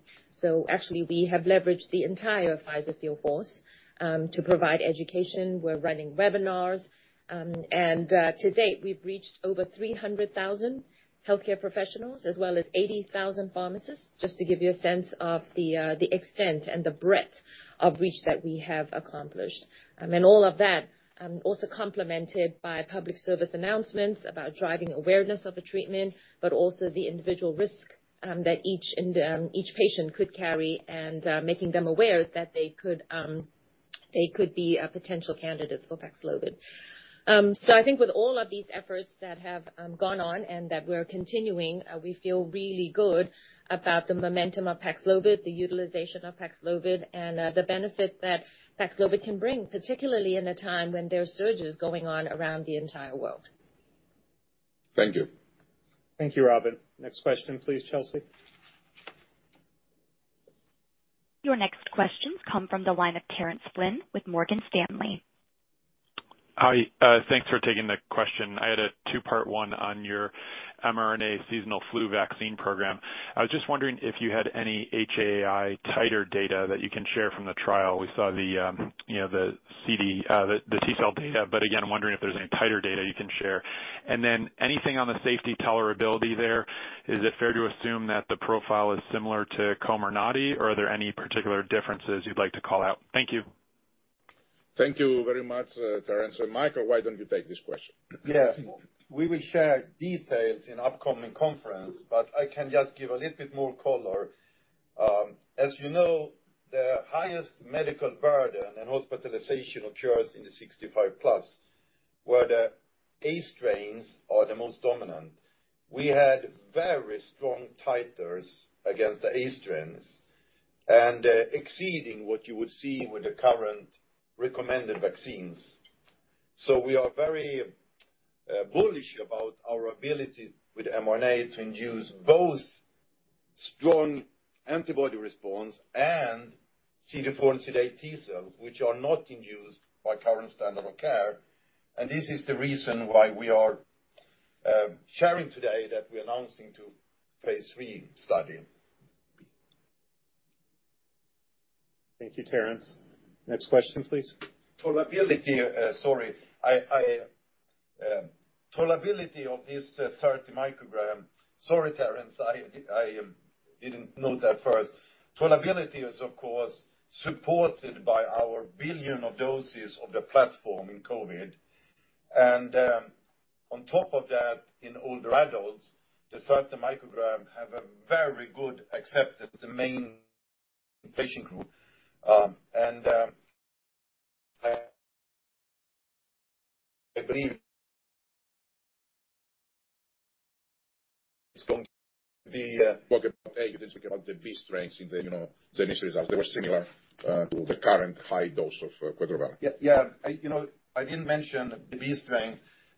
Actually we have leveraged the entire Pfizer field force to provide education. We're running webinars. To date, we've reached over 300,000 healthcare professionals as well as 80,000 pharmacists, just to give you a sense of the extent and the breadth of reach that we have accomplished. All of that also complemented by public service announcements about driving awareness of the treatment, but also the individual risk that each patient could carry and making them aware that they could be a potential candidate for PAXLOVID. I think with all of these efforts that have gone on and that we're continuing, we feel really good about the momentum of PAXLOVID, the utilization of PAXLOVID, and the benefit that PAXLOVID can bring, particularly in a time when there are surges going on around the entire world. Thank you. Thank you, Robyn. Next question, please, Chelsea. Your next question comes from the line of Terence Flynn with Morgan Stanley. Hi, thanks for taking the question. I had a two-part, one on your mRNA seasonal flu vaccine program. I was just wondering if you had any HAI titer data that you can share from the trial. We saw the, you know, the CD, the T-cell data, but again, I'm wondering if there's any titer data you can share. Then anything on the safety tolerability there, is it fair to assume that the profile is similar to COMIRNATY, or are there any particular differences you'd like to call out? Thank you. Thank you very much, Terence. Mikael, why don't you take this question? Yeah. We will share details in upcoming conference, but I can just give a little bit more color. As you know, the highest medical burden and hospitalization occurs in the 65+, where the A strains are the most dominant. We had very strong titers against the A strains and exceeding what you would see with the current recommended vaccines. So we are very bullish about our ability with mRNA to induce both strong antibody response and CD4 and CD8 T-cells, which are not induced by current standard of care. This is the reason why we are sharing today that we're announcing a phase III study. Thank you, Terence. Next question, please. Sorry, Terence, I didn't know that first. Tolerability is of course supported by our billions of doses of the platform in COVID. On top of that, in older adults, the 30 mcg have a very good acceptance, the main patient group. I believe-... it's going to be-... you didn't speak about the B strains in the, you know, the initial results. They were similar to the current high dose of quadrivalent. Yeah. You know, I didn't mention the B strains.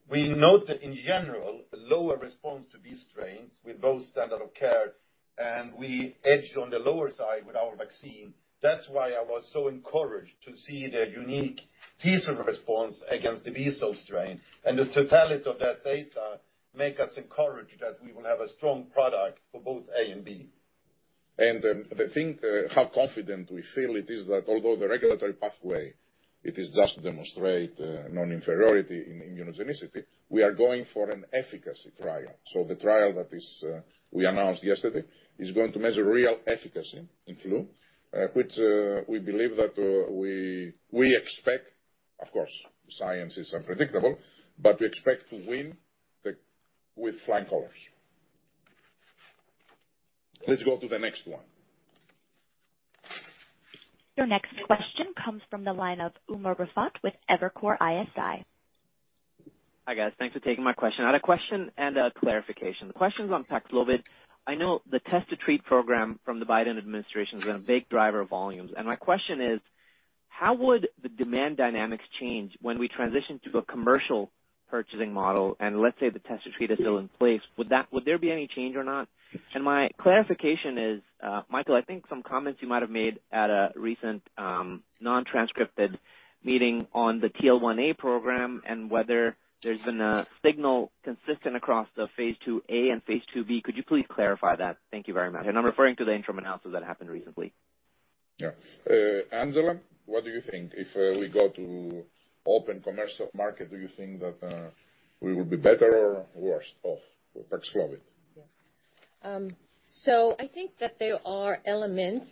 We note that in general, lower response to B strains with both standard of care, and we edged on the lower side with our vaccine. That's why I was so encouraged to see the unique T-cell response against the B strain. The totality of that data make us encouraged that we will have a strong product for both A and B. The thing how confident we feel it is that although the regulatory pathway it is just to demonstrate non-inferiority in immunogenicity, we are going for an efficacy trial. The trial we announced yesterday is going to measure real efficacy in flu, which we believe that we expect, of course, science is unpredictable, but we expect to win with flying colors. Let's go to the next one. Your next question comes from the line of Umer Raffat with Evercore ISI. Hi, guys. Thanks for taking my question. I had a question and a clarification. The question is on PAXLOVID. I know the Test to Treat program from the Biden administration has been a big driver of volumes. My question is, how would the demand dynamics change when we transition to a commercial purchasing model, and let's say the Test to Treat is still in place, would that, would there be any change or not? My clarification is, Mikael, I think some comments you might have made at a recent non-transcribed meeting on the TL1A program and whether there's been a signal consistent across the phase II-A and phase II-B. Could you please clarify that? Thank you very much. I'm referring to the interim analysis that happened recently. Yeah. Angela, what do you think? If we go to open commercial market, do you think that we will be better or worse off with PAXLOVID? I think that there are elements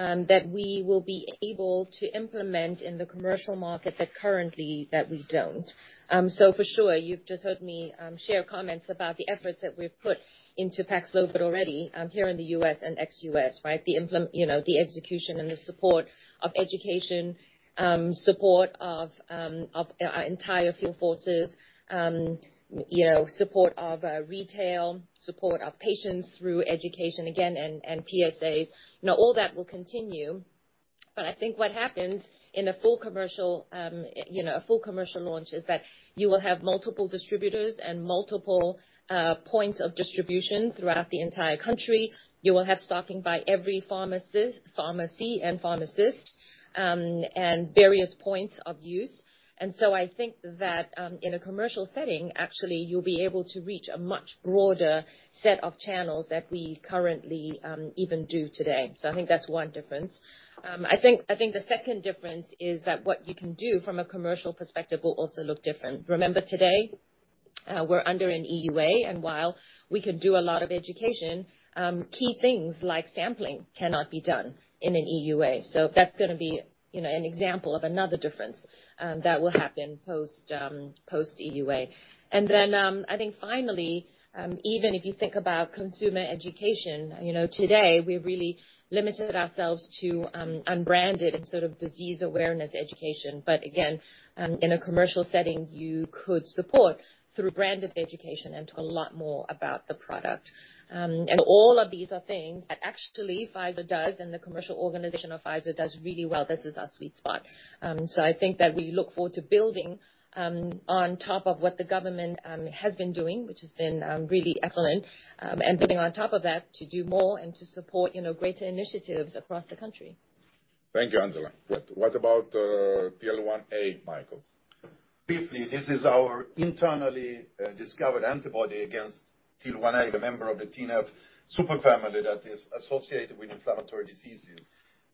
that we will be able to implement in the commercial market that currently we don't. For sure, you've just heard me share comments about the efforts that we've put into PAXLOVID already here in the U.S. and ex-U.S., right? You know, the execution and the support of education, support of our entire field forces, you know, support of retail, support of patients through education again, and PSAs. You know, all that will continue. I think what happens in a full commercial, you know, a full commercial launch is that you will have multiple distributors and multiple points of distribution throughout the entire country. You will have stocking by every pharmacist, pharmacy, and pharmacist and various points of use. I think that, in a commercial setting, actually, you'll be able to reach a much broader set of channels that we currently, even do today. I think that's one difference. I think the second difference is that what you can do from a commercial perspective will also look different. Remember today, we're under an EUA, and while we can do a lot of education, key things like sampling cannot be done in an EUA. That's gonna be, you know, an example of another difference, that will happen post-EUA. I think finally, even if you think about consumer education, you know, today, we really limited ourselves to unbranded and sort of disease awareness education. Again, in a commercial setting, you could support through branded education and talk a lot more about the product. All of these are things that actually Pfizer does, and the commercial organization of Pfizer does really well. This is our sweet spot. I think that we look forward to building on top of what the government has been doing, which has been really excellent, and building on top of that to do more and to support, you know, greater initiatives across the country. Thank you, Angela. Good. What about TL1A, Mikael? Briefly, this is our internally discovered antibody against TL1A, the member of the TNF superfamily that is associated with inflammatory diseases.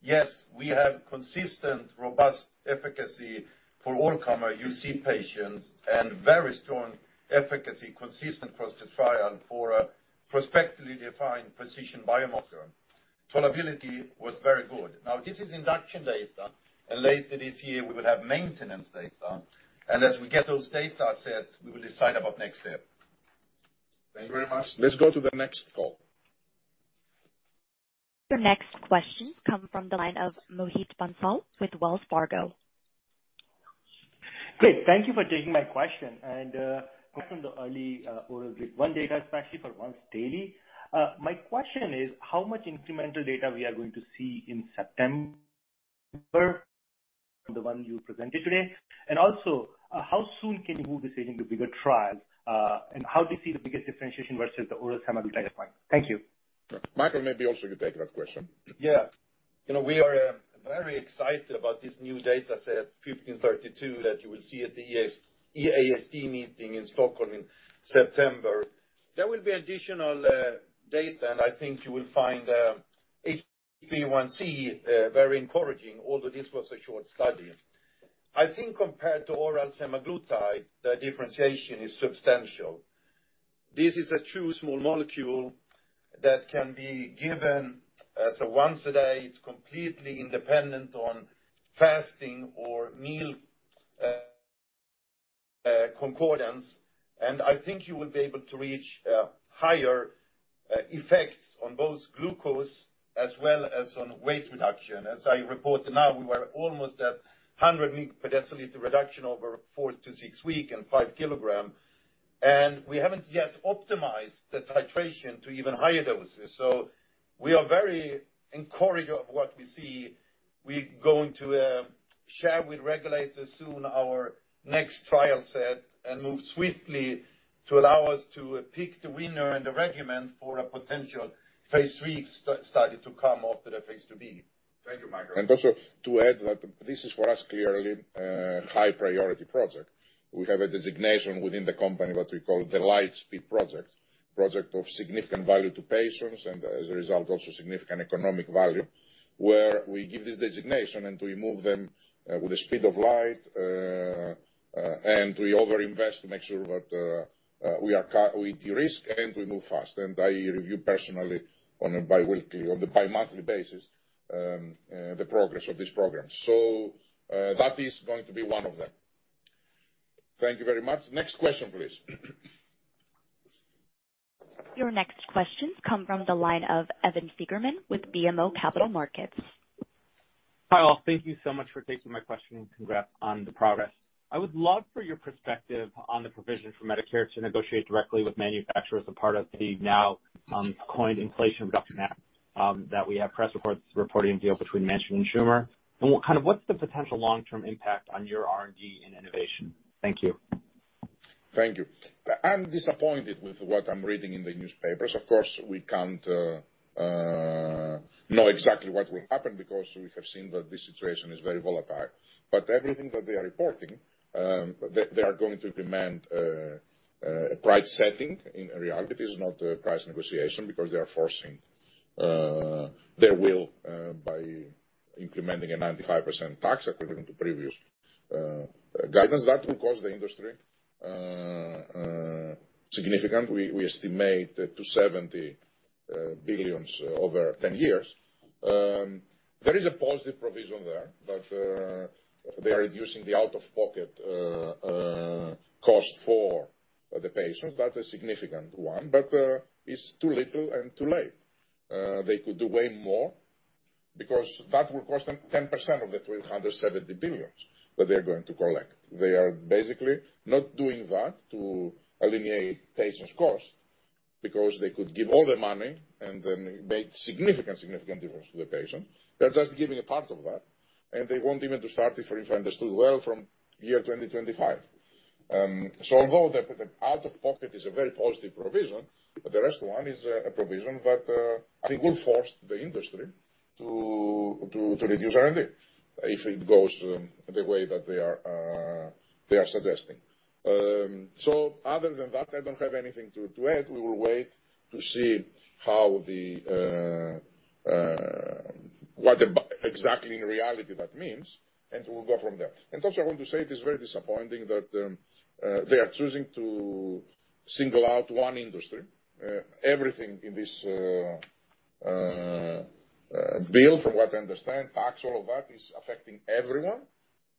Yes, we have consistent, robust efficacy for all comer UC patients and very strong efficacy, consistent across the trial for a prospectively defined precision biomarker. Tolerability was very good. Now, this is induction data, and later this year we will have maintenance data. As we get those data set, we will decide about next step. Thank you very much. Let's go to the next call. Your next question comes from the line of Mohit Bansal with Wells Fargo. Great. Thank you for taking my question. From the early oral GLP-1 data, especially for once daily. My question is, how much incremental data we are going to see in September from the one you presented today? Also, how soon can you move this agent to bigger trial, and how do you see the biggest differentiation versus the oral semaglutide pipeline? Thank you. Mikael, maybe also you take that question. Yeah. You know, we are very excited about this new dataset 1532 that you will see at the EASD meeting in Stockholm in September. There will be additional data, and I think you will find HbA1c very encouraging, although this was a short study. I think compared to oral semaglutide, the differentiation is substantial. This is a true small molecule that can be given as a once a day. It's completely independent of fasting or meal concordance. I think you will be able to reach higher effects on both glucose as well as on weight reduction. As I report now, we were almost at 100 mg per deciliter reduction over 4th to 6th week and 5 kg. We haven't yet optimized the titration to even higher doses. We are very encouraged of what we see. We're going to share with regulators soon our next trial set and move swiftly to allow us to pick the winner and the regimen for a potential phase III study to come after the phase II-B. Thank you, Mikael. Also to add that this is for us, clearly a high priority project. We have a designation within the company, what we call the Lightspeed Project. Project of significant value to patients and as a result, also significant economic value, where we give this designation and we move them with the speed of light, and we overinvest to make sure that we de-risk and we move fast. I review personally on a bi-weekly or the bi-monthly basis the progress of this program. That is going to be one of them. Thank you very much. Next question, please. Your next question comes from the line of Evan Seigerman with BMO Capital Markets. Hi, all. Thank you so much for taking my question. Congrats on the progress. I would love for your perspective on the provision for Medicare to negotiate directly with manufacturers as a part of the now, coined Inflation Reduction Act, that we have press reports reporting a deal between Manchin and Schumer. What kind of what's the potential long-term impact on your R&D and innovation? Thank you. Thank you. I'm disappointed with what I'm reading in the newspapers. Of course, we can't know exactly what will happen because we have seen that this situation is very volatile. Everything that they are reporting, they are going to demand a price setting. In reality, it is not a price negotiation because they are forcing their will by implementing a 95% tax according to previous guidance. That will cost the industry significantly. We estimate $70 billion over 10 years. There is a positive provision there, but they are reducing the out-of-pocket cost for the patients. That's a significant one, but it's too little and too late. They could do way more because that will cost them 10% of the $370 billion that they're going to collect. They are basically not doing that to alleviate patients' costs because they could give all the money and then make significant difference to the patient. They're just giving a part of that, and they want even to start it, if I understood well, from 2025. Although the out-of-pocket is a very positive provision, but the rest one is a provision that I think will force the industry to reduce R&D if it goes the way that they are suggesting. Other than that, I don't have anything to add. We will wait to see how the what exactly in reality that means, and we'll go from there. Also, I want to say it is very disappointing that they are choosing to single out one industry. Everything in this bill, from what I understand, tax, all of that is affecting everyone.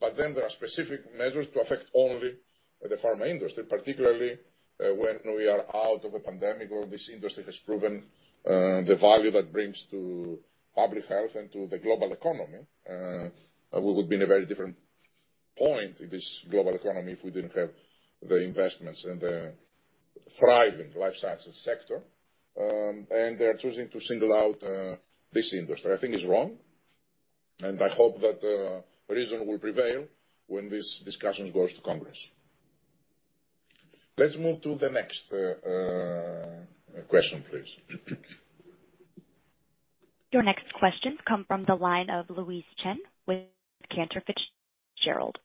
There are specific measures to affect only the pharma industry, particularly, when we are out of the pandemic or this industry has proven the value that brings to public health and to the global economy. We would be in a very different point in this global economy if we didn't have the investments and the thriving life sciences sector, and they are choosing to single out this industry. I think it's wrong, and I hope that reason will prevail when this discussion goes to Congress. Let's move to the next question, please. Your next question comes from the line of Louise Chen with Cantor Fitzgerald.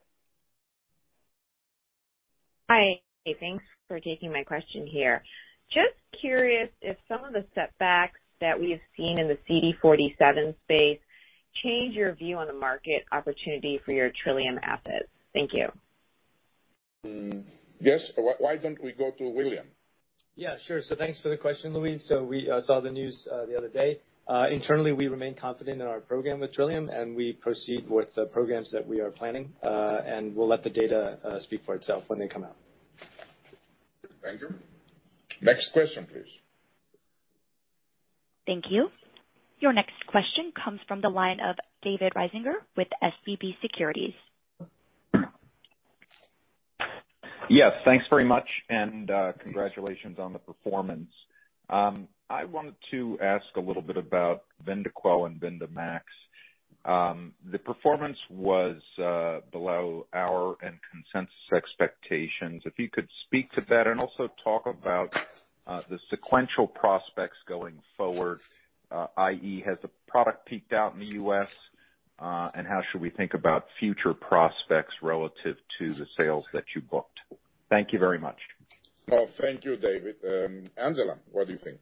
Hi. Thanks for taking my question here. Just curious if some of the setbacks that we have seen in the CD47 space change your view on the market opportunity for your Trillium assets? Thank you. Yes. Why don't we go to William? Yeah, sure. Thanks for the question, Louise. We saw the news the other day. Internally, we remain confident in our program with Trillium, and we proceed with the programs that we are planning, and we'll let the data speak for itself when they come out. Thank you. Next question, please. Thank you. Your next question comes from the line of David Risinger with SVB Securities. Yes. Thanks very much. Congratulations on the performance. I wanted to ask a little bit about VYNDAQEL and VYNDAMAX. The performance was below our and consensus expectations. If you could speak to that and also talk about the sequential prospects going forward, i.e., has the product peaked out in the U.S., and how should we think about future prospects relative to the sales that you booked? Thank you very much. Oh, thank you, David. Angela, what do you think?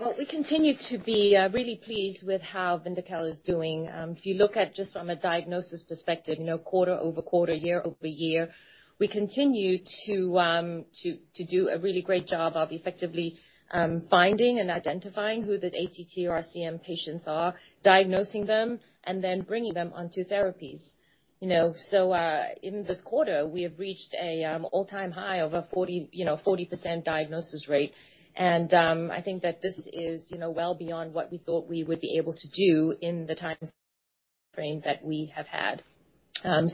Well, we continue to be really pleased with how VYNDAQEL is doing. If you look at just from a diagnosis perspective, you know, quarter over quarter, year over year, we continue to do a really great job of effectively finding and identifying who the ATTR-CM patients are, diagnosing them, and then bringing them onto therapies. You know, in this quarter, we have reached an all-time high of a 40% diagnosis rate. I think that this is, you know, well beyond what we thought we would be able to do in the time frame that we have had.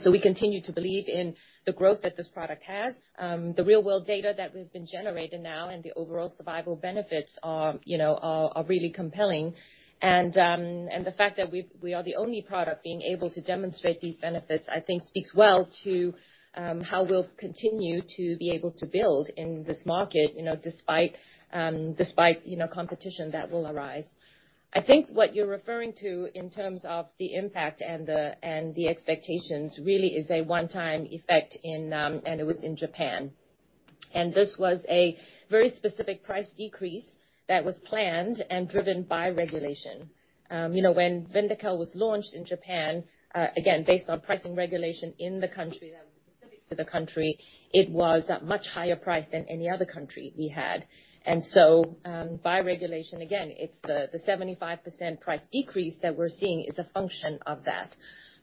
We continue to believe in the growth that this product has. The real world data that has been generated now and the overall survival benefits are, you know, really compelling. The fact that we are the only product being able to demonstrate these benefits, I think speaks well to how we'll continue to be able to build in this market, you know, despite, you know, competition that will arise. I think what you're referring to in terms of the impact and the expectations really is a one-time effect in Japan. This was a very specific price decrease that was planned and driven by regulation. When VYNDAQEL was launched in Japan, again, based on pricing regulation in the country, that was specific to the country, it was at much higher price than any other country we had. By regulation, again, it's the 75% price decrease that we're seeing is a function of that.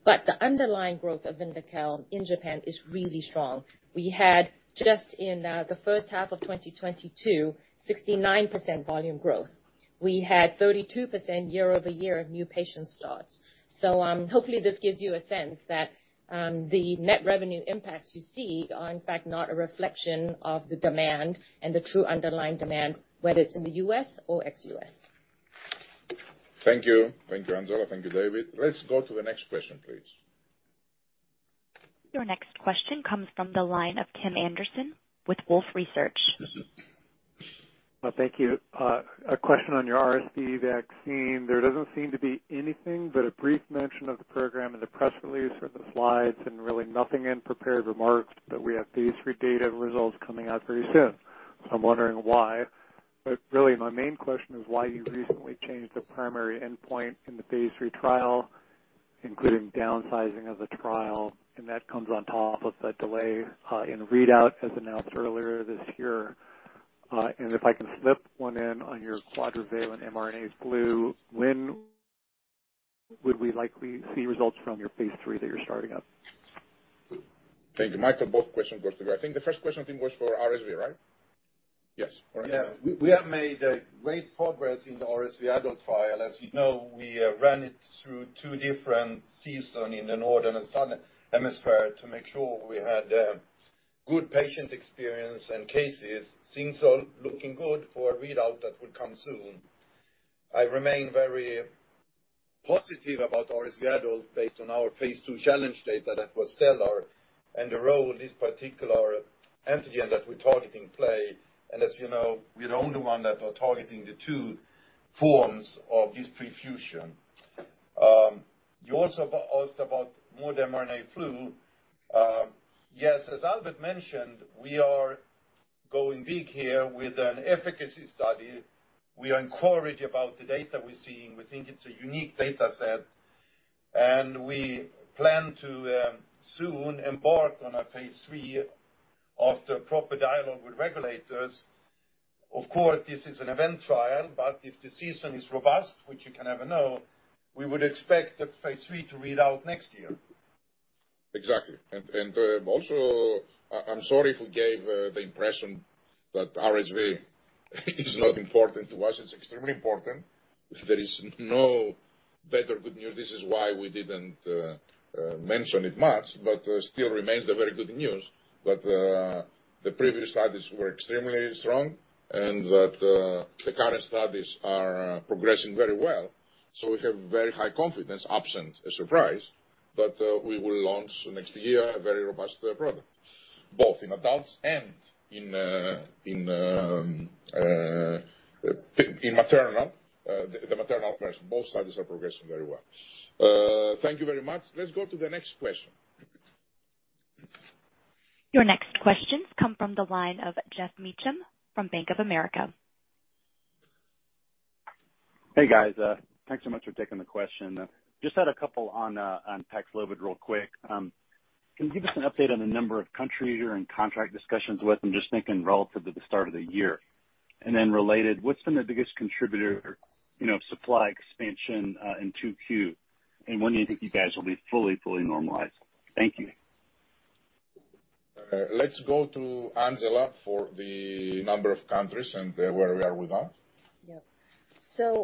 The underlying growth of VYNDAQEL in Japan is really strong. We had just in the first half of 2022, 69% volume growth. We had 32% year-over-year of new patient starts. Hopefully this gives you a sense that the net revenue impacts you see are in fact not a reflection of the demand and the true underlying demand, whether it's in the U.S. or ex-U.S. Thank you. Thank you, Angela. Thank you, David. Let's go to the next question, please. Your next question comes from the line of Tim Anderson with Wolfe Research. Well, thank you. A question on your RSV vaccine. There doesn't seem to be anything but a brief mention of the program in the press release or the slides and really nothing in prepared remarks, but we have phase III data results coming out very soon. I'm wondering why. Really, my main question is why you recently changed the primary endpoint in the phase III trial, including downsizing of the trial, and that comes on top of the delay in readout as announced earlier this year. And if I can slip one in on your quadrivalent mRNA flu, when would we likely see results from your phase III that you're starting up? Thank you. Mikael, both questions go to me. I think the first question was for RSV, right? Yes. Correct. Yeah. We have made great progress in the RSV adult trial. As you know, we ran it through two different seasons in the Northern and Southern hemisphere to make sure we had good patient experience and cases. Things are looking good for a readout that will come soon. I remain very positive about RSV adult based on our phase II challenge data that was stellar, and the role this particular antigen that we're targeting play. As you know, we're the only one that are targeting the two forms of this pre-fusion. You also asked about more than mRNA flu. Yes, as Albert mentioned, we are going big here with an efficacy study. We are encouraged about the data we're seeing. We think it's a unique data set. We plan to soon embark on a phase III after proper dialogue with regulators. Of course, this is an event trial, but if the season is robust, which you can never know, we would expect the phase III to read out next year. Exactly. Also, I'm sorry if we gave the impression that RSV is not important to us. It's extremely important. There is no better good news. This is why we didn't mention it much, but still remains the very good news. The previous studies were extremely strong and that the current studies are progressing very well. We have very high confidence, absent a surprise, but we will launch next year a very robust product, both in adults and the maternal version. Both studies are progressing very well. Thank you very much. Let's go to the next question. Your next questions come from the line of Geoff Meacham from Bank of America. Hey, guys. Thanks so much for taking the question. Just had a couple on PAXLOVID real quick. Can you give us an update on the number of countries you're in contract discussions with? I'm just thinking relative to the start of the year. Related, what's been the biggest contributor, you know, supply expansion in 2Q? When do you think you guys will be fully normalized? Thank you. Let's go to Angela for the number of countries and where we are with that. Yeah.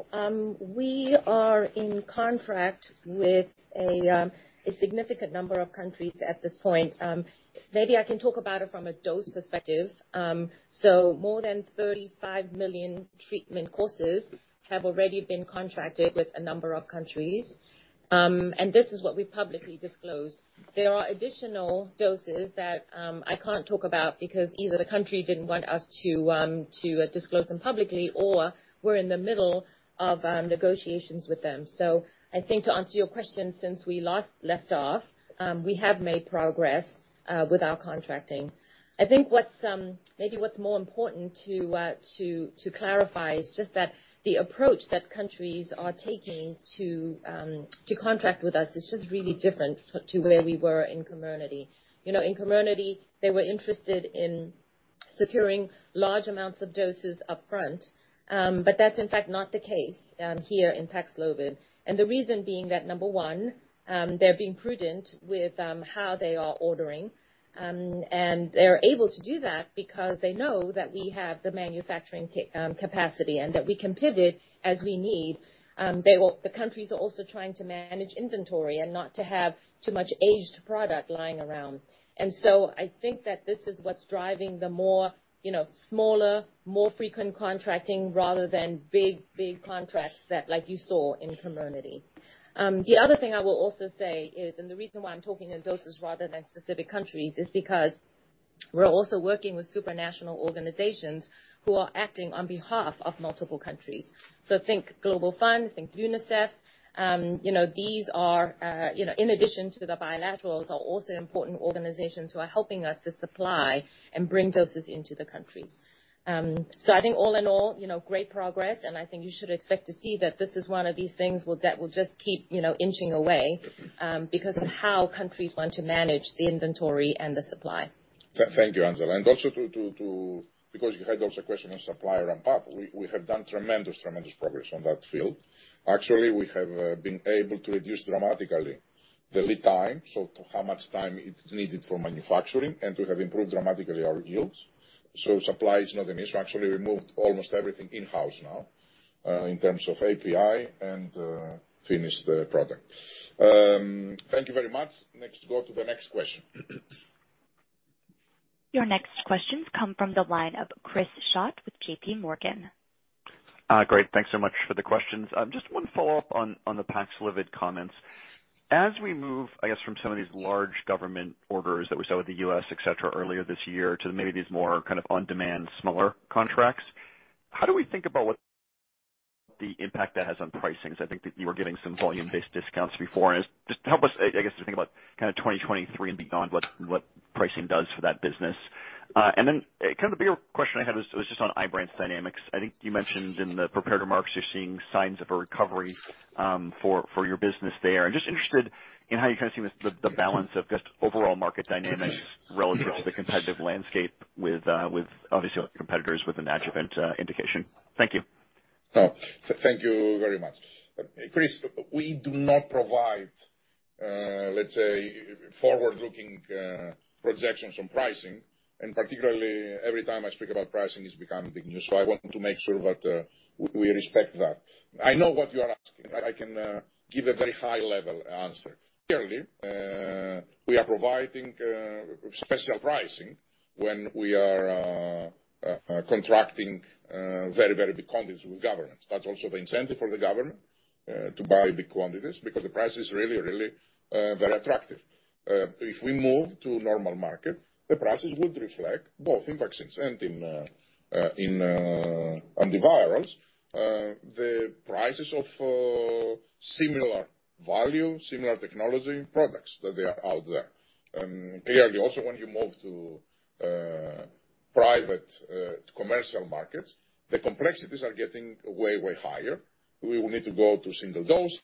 We are in contract with a significant number of countries at this point. Maybe I can talk about it from a dose perspective. More than 35 million treatment courses have already been contracted with a number of countries. This is what we publicly disclosed. There are additional doses that I can't talk about because either the country didn't want us to disclose them publicly, or we're in the middle of negotiations with them. I think to answer your question, since we last left off, we have made progress with our contracting. I think what's maybe more important to clarify is just that the approach that countries are taking to contract with us is just really different to where we were in COMIRNATY. You know, in COMIRNATY, they were interested in securing large amounts of doses up front. That's in fact not the case here in PAXLOVID. The reason being that, number one, they're being prudent with how they are ordering, and they're able to do that because they know that we have the manufacturing capacity and that we can pivot as we need. The countries are also trying to manage inventory and not to have too much aged product lying around. I think that this is what's driving the more, you know, smaller, more frequent contracting rather than big, big contracts that like you saw in COMIRNATY. The other thing I will also say is, and the reason why I'm talking in doses rather than specific countries, is because we're also working with supranational organizations who are acting on behalf of multiple countries. Think Global Fund, think UNICEF. You know, these are, you know, in addition to the bilaterals, are also important organizations who are helping us to supply and bring doses into the countries. I think all in all, you know, great progress, and I think you should expect to see that this is one of these things that will just keep, you know, inching away, because of how countries want to manage the inventory and the supply. Thank you, Angela. Also because you had also a question on supply ramp up, we have done tremendous progress on that field. Actually, we have been able to reduce dramatically the lead time, so to how much time it's needed for manufacturing, and we have improved dramatically our yields. Supply is not an issue. Actually, we moved almost everything in-house now, in terms of API and finished product. Thank you very much. Next, go to the next question. Your next questions come from the line of Chris Schott with JPMorgan. Great, thanks so much for the questions. Just one follow-up on the PAXLOVID comments. As we move, I guess, from some of these large government orders that we saw with the U.S., et cetera, earlier this year to maybe these more kind of on-demand, smaller contracts, how do we think about what the impact that has on pricing is? I think that you were giving some volume-based discounts before. Just help us, I guess, to think about kind of 2023 and beyond, what pricing does for that business. Then, kind of the bigger question I had was just on IBRANCE dynamics. I think you mentioned in the prepared remarks you're seeing signs of a recovery, for your business there. I'm just interested in how you kinda see this, the balance of just overall market dynamics relative to the competitive landscape with obviously your competitors with an adjuvant indication. Thank you. Oh, thank you very much. Chris, we do not provide, let's say, forward-looking projections on pricing, and particularly every time I speak about pricing, it's become big news. I want to make sure that we respect that. I know what you are asking. I can give a very high level answer. Clearly, we are providing special pricing when we are contracting very, very big quantities with governments. That's also the incentive for the government to buy big quantities because the price is really, really very attractive. If we move to normal market, the prices would reflect both in vaccines and in antivirals. The prices of similar value, similar technology products that are out there. Clearly also when you move to private commercial markets, the complexities are getting way higher. We will need to go to single dose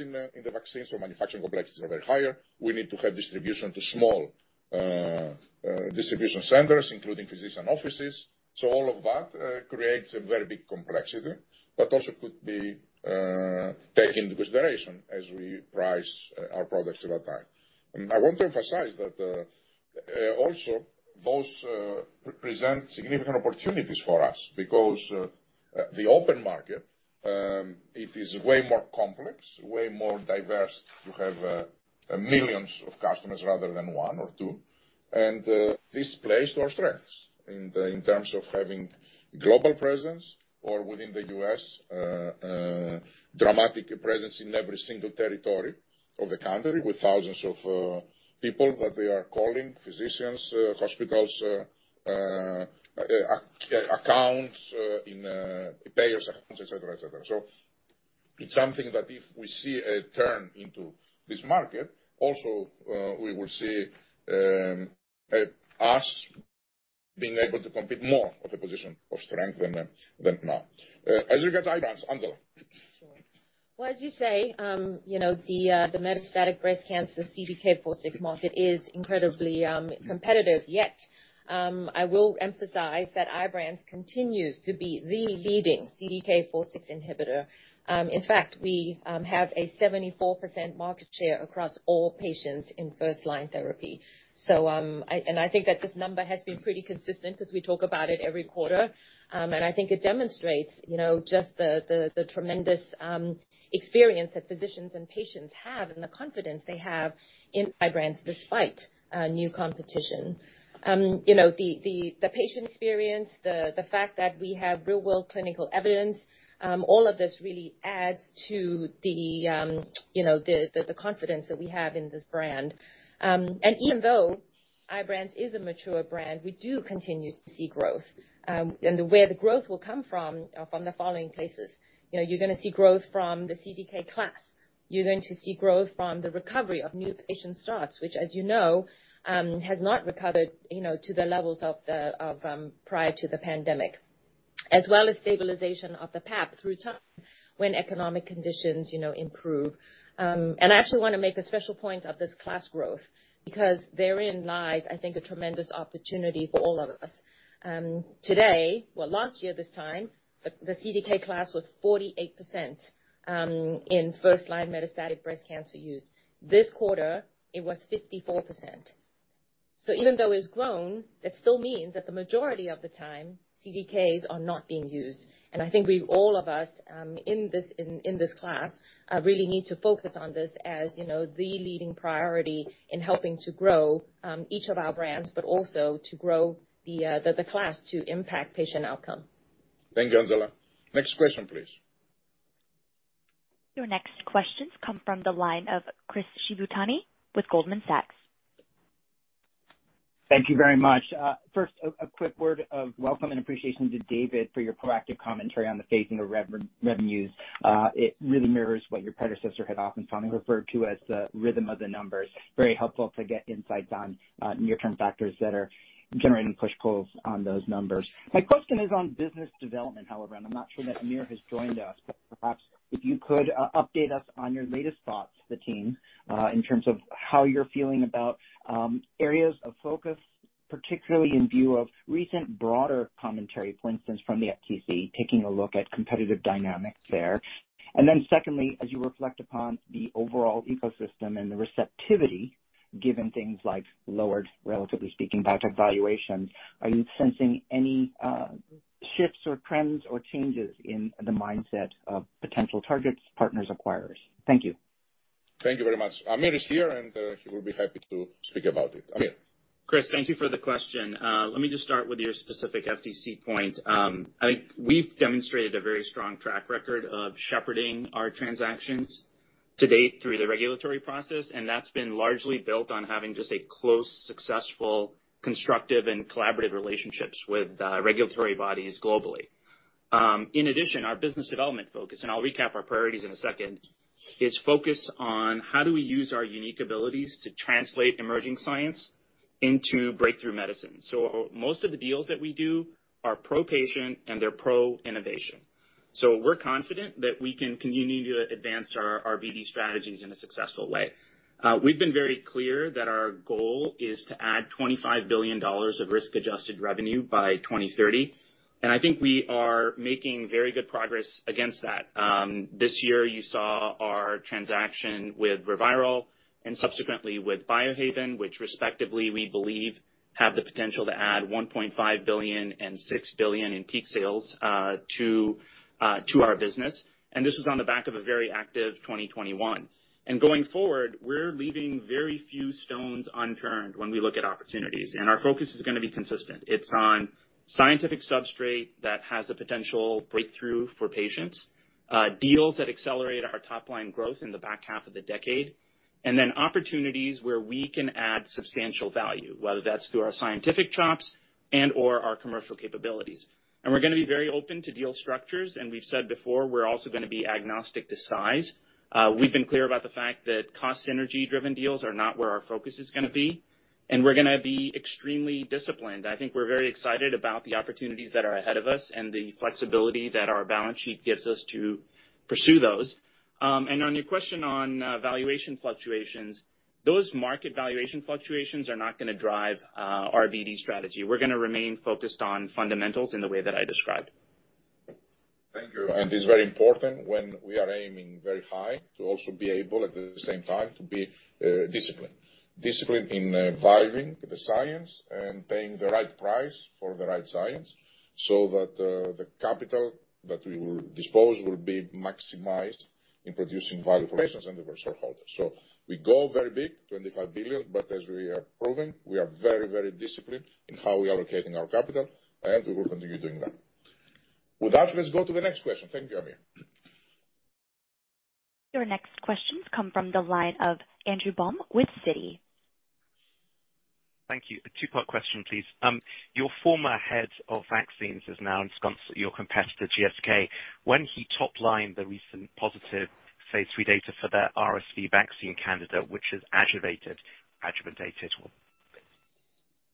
in the vaccines for manufacturing complexities are very higher. We need to have distribution to small distribution centers, including physician offices. All of that creates a very big complexity, but also could be taken into consideration as we price our products over time. I want to emphasize that also those present significant opportunities for us because the open market it is way more complex, way more diverse. You have millions of customers rather than one or two. This plays to our strengths in terms of having global presence or within the U.S., dramatic presence in every single territory of the country, with thousands of people that we are calling physicians, hospitals, accounts, in payers accounts, et cetera, et cetera. It's something that if we see a turn into this market, also, we will see us being able to compete more with a position of strength than now. As you get to IBRANCE, Angela. Sure. Well, as you say, you know, the metastatic breast cancer CDK4/6 market is incredibly competitive. Yet, I will emphasize that IBRANCE continues to be the leading CDK4/6 inhibitor. In fact, we have a 74% market share across all patients in first-line therapy. I think that this number has been pretty consistent as we talk about it every quarter. I think it demonstrates, you know, just the tremendous experience that physicians and patients have and the confidence they have in IBRANCE despite new competition. You know, the patient experience, the fact that we have real-world clinical evidence, all of this really adds to the, you know, the confidence that we have in this brand. Even though IBRANCE is a mature brand, we do continue to see growth. Where the growth will come from are from the following places. You know, you're gonna see growth from the CDK class. You're going to see growth from the recovery of new patient starts, which, as you know, has not recovered, you know, to the levels prior to the pandemic. As well as stabilization of the PAP through time when economic conditions, you know, improve. I actually wanna make a special point of this class growth because therein lies, I think, a tremendous opportunity for all of us. Today, well, last year this time, the CDK class was 48% in first-line metastatic breast cancer use. This quarter it was 54%. Even though it's grown, it still means that the majority of the time CDKs are not being used. I think we, all of us, in this class, really need to focus on this as, you know, the leading priority in helping to grow each of our brands, but also to grow the class to impact patient outcome. Thank you, Angela. Next question, please. Your next questions come from the line of Chris Shibutani with Goldman Sachs. Thank you very much. First, a quick word of welcome and appreciation to David for your proactive commentary on the phasing of revenues. It really mirrors what your predecessor had oftentimes referred to as the rhythm of the numbers. Very helpful to get insights on near-term factors that are generating push pulls on those numbers. My question is on business development, however, and I'm not sure that Aamir has joined us. Perhaps if you could update us on your latest thoughts, the team, in terms of how you're feeling about areas of focus, particularly in view of recent broader commentary, for instance, from the FTC taking a look at competitive dynamics there. Secondly, as you reflect upon the overall ecosystem and the receptivity, given things like lowered, relatively speaking, biotech valuations, are you sensing any shifts or trends or changes in the mindset of potential targets, partners, acquirers? Thank you. Thank you very much. Aamir is here and, he will be happy to speak about it. Aamir. Chris, thank you for the question. Let me just start with your specific FTC point. I think we've demonstrated a very strong track record of shepherding our transactions to date through the regulatory process, and that's been largely built on having just a close, successful, constructive and collaborative relationships with, regulatory bodies globally. In addition, our business development focus, and I'll recap our priorities in a second, is focused on how do we use our unique abilities to translate emerging science into breakthrough medicine. Most of the deals that we do are pro-patient and they're pro-innovation. We're confident that we can continue to advance our BD strategies in a successful way. We've been very clear that our goal is to add $25 billion of risk-adjusted revenue by 2030, and I think we are making very good progress against that. This year you saw our transaction with ReViral and subsequently with Biohaven, which respectively we believe have the potential to add $1.5 billion and $6 billion in peak sales to our business. This was on the back of a very active 2021. Going forward, we're leaving very few stones unturned when we look at opportunities, and our focus is gonna be consistent. It's on scientific substrate that has a potential breakthrough for patients, deals that accelerate our top line growth in the back half of the decade, and then opportunities where we can add substantial value, whether that's through our scientific chops and/or our commercial capabilities. We're gonna be very open to deal structures, and we've said before, we're also gonna be agnostic to size. We've been clear about the fact that cost synergy-driven deals are not where our focus is gonna be, and we're gonna be extremely disciplined. I think we're very excited about the opportunities that are ahead of us and the flexibility that our balance sheet gives us to pursue those. On your question on valuation fluctuations, those market valuation fluctuations are not gonna drive our BD strategy. We're gonna remain focused on fundamentals in the way that I described. Thank you. It's very important when we are aiming very high to also be able, at the same time, to be disciplined. Disciplined in valuing the science and paying the right price for the right science so that, the capital that we will deploy will be maximized in producing value for patients and the shareholders. We go very big, $25 billion, but as we are proving, we are very, very disciplined in how we are allocating our capital, and we will continue doing that. With that, let's go to the next question. Thank you, Aamir. Your next questions come from the line of Andrew Baum with Citi. Thank you. A two-part question, please. Your former head of vaccines is now ensconced at your competitor, GSK. When he top-lined the recent positive phase III data for their RSV vaccine candidate, which is adjuvated.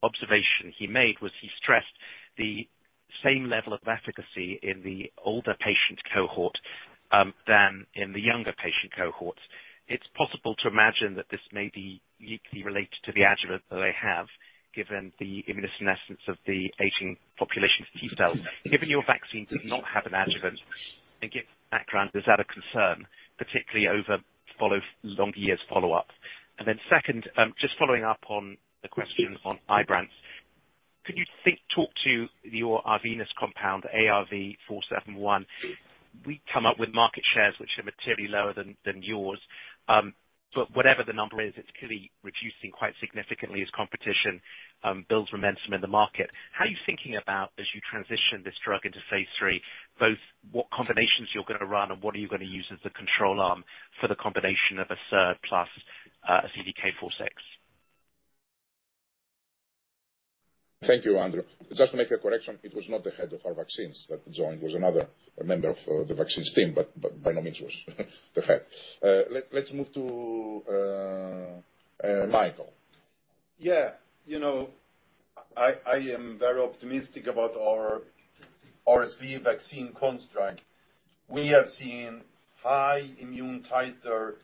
Observation he made was he stressed the same level of efficacy in the older patient cohort than in the younger patient cohorts. It's possible to imagine that this may be uniquely related to the adjuvant that they have, given the immunosenescence of the aging population's T-cells. Given your vaccine did not have an adjuvant, and given the background, is that a concern, particularly over longer years follow-up? Then second, just following up on the question on IBRANCE. Could you talk to your Arvinas compound, ARV-471. We come up with market shares which are materially lower than yours. But whatever the number is, it's clearly reducing quite significantly as competition builds momentum in the market. How are you thinking about as you transition this drug into phase III, both what combinations you're gonna run and what are you gonna use as the control arm for the combination of a SERD plus CDK4/6? Thank you, Andrew. Just to make a correction, it was not the head of our vaccines that joined. It was another member of the vaccines team, but by no means was the head. Let's move to Mikael. Yeah. You know, I am very optimistic about our RSV vaccine construct. We have seen high immune titer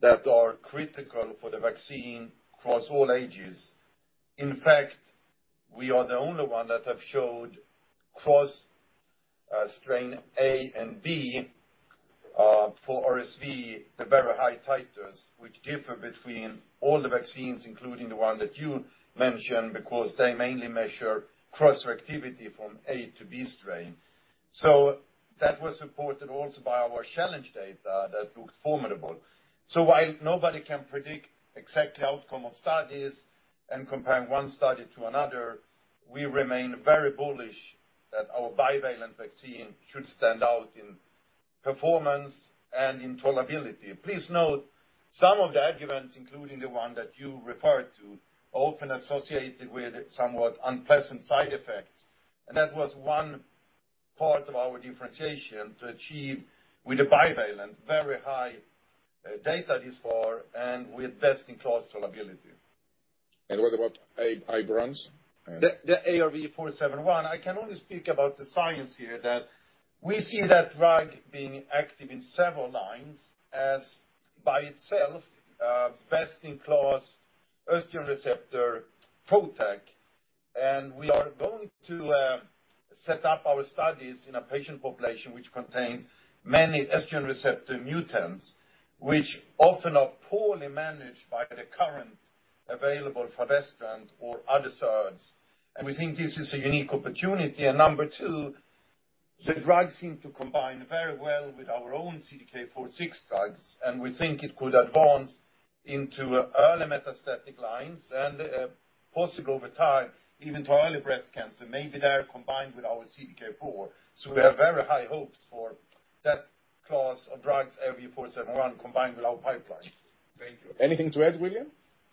that are critical for the vaccine across all ages. In fact, we are the only one that have showed cross strain A and B for RSV, the very high titers which differ between all the vaccines, including the one that you mentioned, because they mainly measure cross-reactivity from A to B strain. That was supported also by our challenge data that looks formidable. While nobody can predict exactly outcome of studies and comparing one study to another, we remain very bullish that our bivalent vaccine should stand out in performance and in tolerability. Please note some of the adjuvants, including the one that you referred to, often associated with somewhat unpleasant side effects. That was one part of our differentiation to achieve with the bivalent, very high data thus far and with best-in-class tolerability. What about IBRANCE? The ARV-471. I can only speak about the science here that we see that drug being active in several lines as by itself, best-in-class estrogen receptor PROTAC. We are going to set up our studies in a patient population which contains many estrogen receptor mutants, which often are poorly managed by the current available fulvestrant or other SERDs. We think this is a unique opportunity. Number two, the drug seems to combine very well with our own CDK4/6 drugs, and we think it could advance into early metastatic lines and possibly over time, even to early breast cancer, maybe there combined with our CDK4. We have very high hopes for that class of drugs, ARV-471, combined with our pipeline. Thank you. Anything to add, William?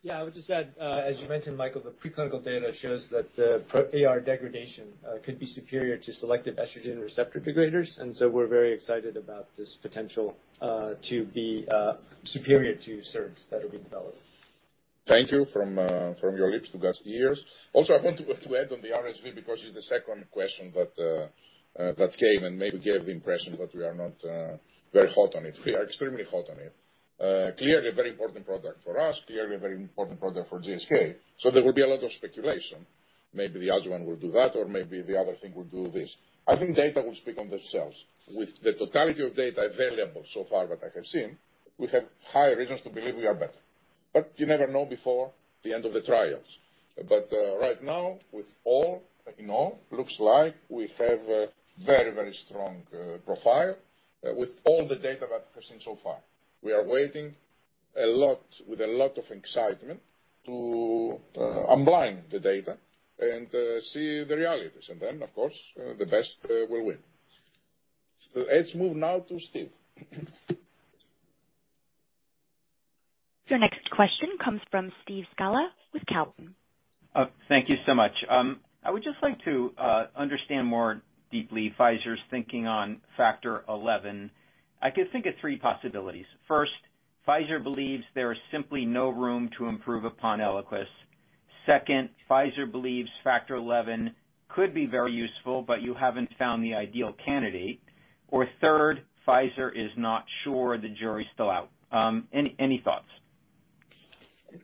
Yeah, I would just add, as you mentioned, Mikael, the preclinical data shows that the AR degradation could be superior to selective estrogen receptor degraders. We're very excited about this potential to be superior to SERDs that are being developed. Thank you from your lips to God's ears. Also, I want to add on the RSV because it's the second question that came, and maybe gave the impression that we are not very hot on it. We are extremely hot on it. Clearly a very important product for us, clearly a very important product for GSK. There will be a lot of speculation. Maybe the adjuvant will do that, or maybe the other thing will do this. I think data will speak for themselves. With the totality of data available so far that I have seen, we have high reasons to believe we are better. You never know before the end of the trials. Right now, with all that we know, looks like we have a very, very strong profile with all the data that I have seen so far. We are waiting a lot, with a lot of excitement to unblind the data and see the realities. Of course, the best will win. Let's move now to Steve. Your next question comes from Steve Scala with Cowen. Thank you so much. I would just like to understand more deeply Pfizer's thinking on Factor XI. I could think of three possibilities. First, Pfizer believes there is simply no room to improve upon ELIQUIS. Second, Pfizer believes Factor XI could be very useful, but you haven't found the ideal candidate or third, Pfizer is not sure the jury's still out. Any thoughts?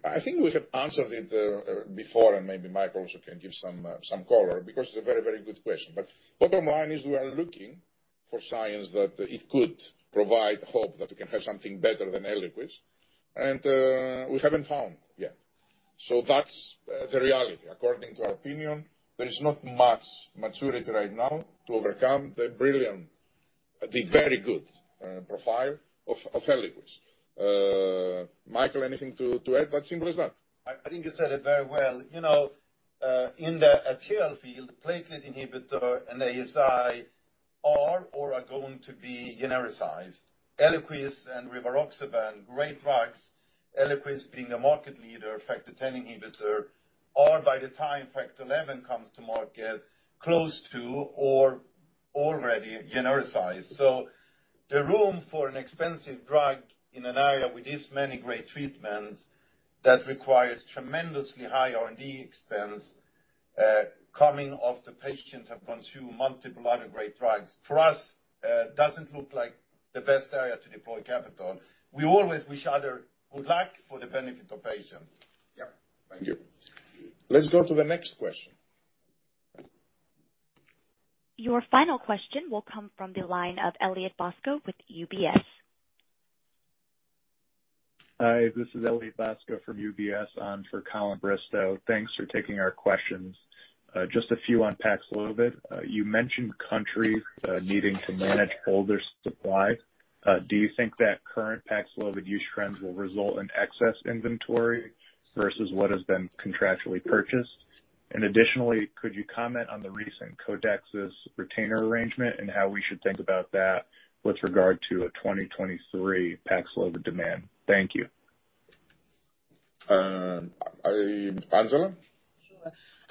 I think we have answered it before, and maybe Mikael also can give some color because it's a very, very good question. Bottom line is we are looking for science that it could provide hope that we can have something better than ELIQUIS, and we haven't found yet. That's the reality. According to our opinion, there is not much maturity right now to overcome the very good profile of ELIQUIS. Mikael, anything to add? Simple as that. I think you said it very well. You know, in the arterial field, platelet inhibitor and ASI are or are going to be genericized. ELIQUIS and rivaroxaban, great drugs, ELIQUIS being a market leader, Factor X inhibitor, are by the time Factor XI comes to market, close to or already genericized. The room for an expensive drug in an area with this many great treatments that requires tremendously high R&D expense, coming off the patients have consumed multiple other great drugs, for us, doesn't look like the best area to deploy capital. We always wish others good luck for the benefit of patients. Yeah. Thank you. Let's go to the next question. Your final question will come from the line of Elliott Bosco with UBS. Hi, this is Elliott Bosco from UBS on for Colin Bristow. Thanks for taking our questions. Just a few on PAXLOVID. You mentioned countries needing to manage older supply. Do you think that current PAXLOVID use trends will result in excess inventory versus what has been contractually purchased? And additionally, could you comment on the recent Codexis retainer arrangement and how we should think about that with regard to a 2023 PAXLOVID demand? Thank you. Angela? Sure.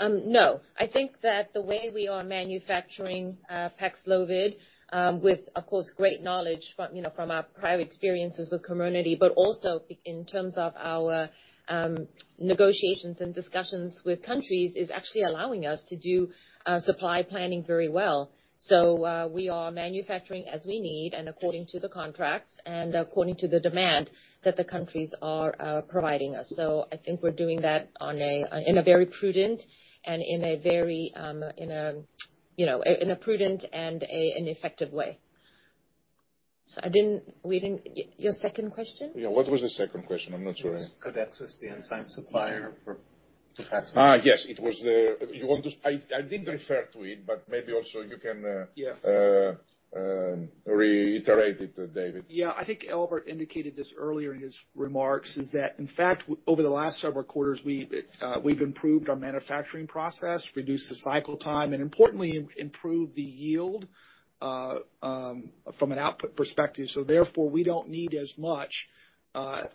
No, I think that the way we are manufacturing PAXLOVID, with, of course, great knowledge from, you know, from our prior experiences with COMIRNATY, but also in terms of our negotiations and discussions with countries, is actually allowing us to do supply planning very well. We are manufacturing as we need and according to the contracts and according to the demand that the countries are providing us. I think we're doing that in a very prudent and effective way. Your second question? Yeah. What was the second question? I'm not sure. Codexis, the enzyme supplier for PAXLOVID. Yes. I didn't refer to it, but maybe also you can- Yeah.... reiterate it, David. Yeah. I think Albert indicated this earlier in his remarks, that in fact over the last several quarters, we've improved our manufacturing process, reduced the cycle time, and importantly, improved the yield from an output perspective. Therefore, we don't need as much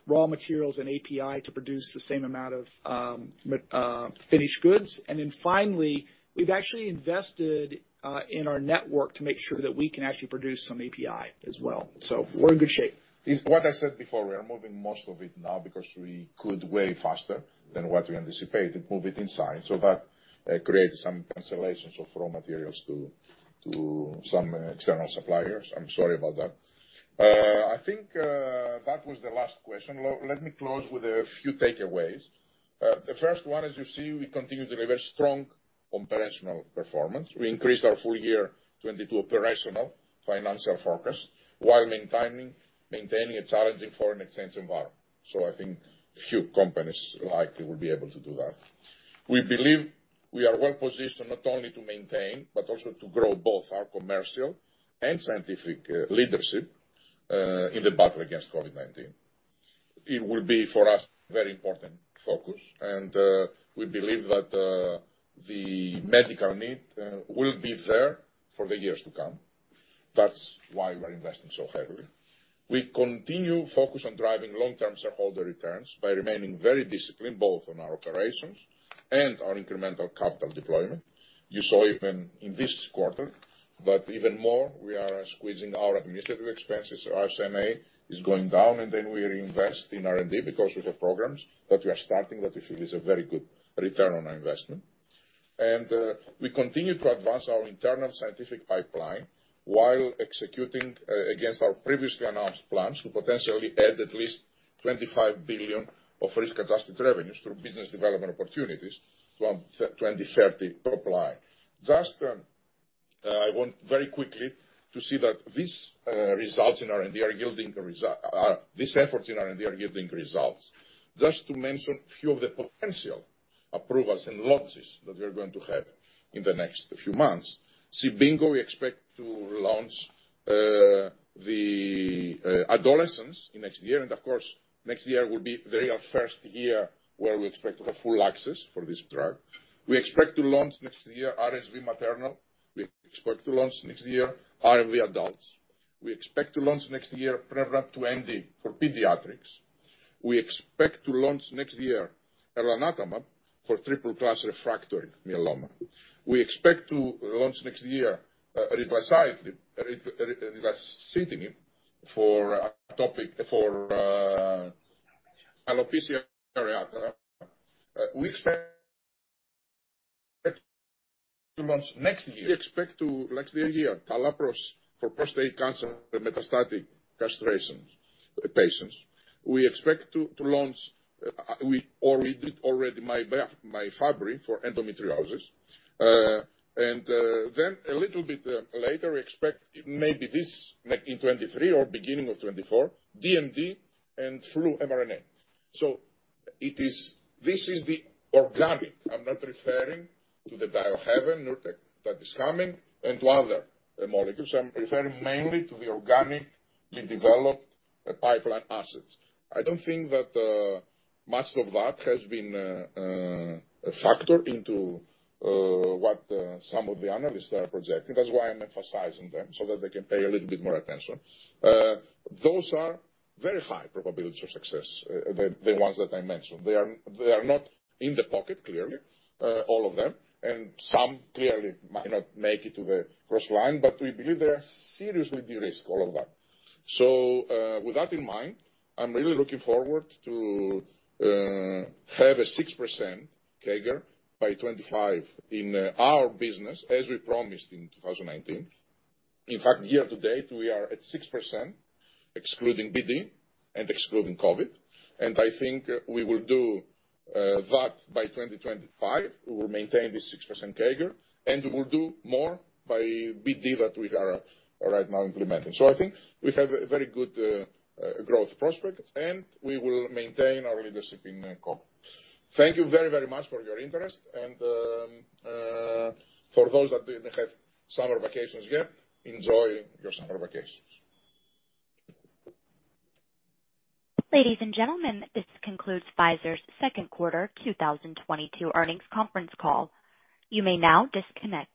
raw materials and API to produce the same amount of finished goods. Then finally, we've actually invested in our network to make sure that we can actually produce some API as well. We're in good shape. It's what I said before. We are moving most of it now because we could way faster than what we anticipated, move it inside. That creates some cancellations of raw materials to some external suppliers. I'm sorry about that. I think that was the last question. Let me close with a few takeaways. The first one, as you see, we continue to deliver strong operational performance. We increased our full-year 2022 operational financial forecast while maintaining a challenging foreign exchange environment. I think few companies likely will be able to do that. We believe we are well-positioned not only to maintain but also to grow both our commercial and scientific leadership in the battle against COVID-19. It will be for us very important focus. We believe that the medical need will be there for the years to come. That's why we're investing so heavily. We continue focus on driving long-term shareholder returns by remaining very disciplined, both on our operations and our incremental capital deployment. You saw even in this quarter, but even more, we are squeezing our administrative expenses. Our SI&A is going down, and then we reinvest in R&D because we have programs that we are starting that we feel is a very good return on our investment. We continue to advance our internal scientific pipeline while executing against our previously announced plans to potentially add at least $25 billion of risk-adjusted revenues through business development opportunities from 2030 pipeline. I want very quickly to see that these efforts in R&D are yielding results. Just to mention few of the potential approvals and launches that we are going to have in the next few months. CIBINQO, we expect to launch the adolescents in next year. Of course, next year will be the real first year where we expect to have full access for this drug. We expect to launch next year RSV maternal. We expect to launch next year RSV adults. We expect to launch next year Prevnar 20 for pediatrics. We expect to launch next year elranatamab for triple-class refractory myeloma. We expect to launch next year ritlecitinib for alopecia areata. We expect to launch next year TALAPRO for prostate cancer in metastatic castration-resistant patients. We expect to launch, we did already MYFEMBREE for endometriosis. Then a little bit later, we expect maybe this, like, in 2023 or beginning of 2024 DMD and flu mRNA. This is the organic. I'm not referring to the Biohaven Nurtec that is coming and to other molecules. I'm referring mainly to the organically developed pipeline assets. I don't think that much of that has been factored into what some of the analysts are projecting. That's why I'm emphasizing them, so that they can pay a little bit more attention. Those are very high probabilities of success, the ones that I mentioned. They are not in the pocket, clearly, all of them, and some clearly might not make it to the cross line, but we believe they are seriously de-risk all of that. With that in mind, I'm really looking forward to have a 6% CAGR by 2025 in our business as we promised in 2019. In fact, year to date, we are at 6%, excluding BD and excluding COVID. I think we will do that by 2025. We will maintain this 6% CAGR, and we will do more by BD that we are right now implementing. I think we have a very good growth prospect, and we will maintain our leadership in combo. Thank you very, very much for your interest. For those that didn't have summer vacations yet, enjoy your summer vacations. Ladies and gentlemen, this concludes Pfizer's second quarter 2022 earnings conference call. You may now disconnect.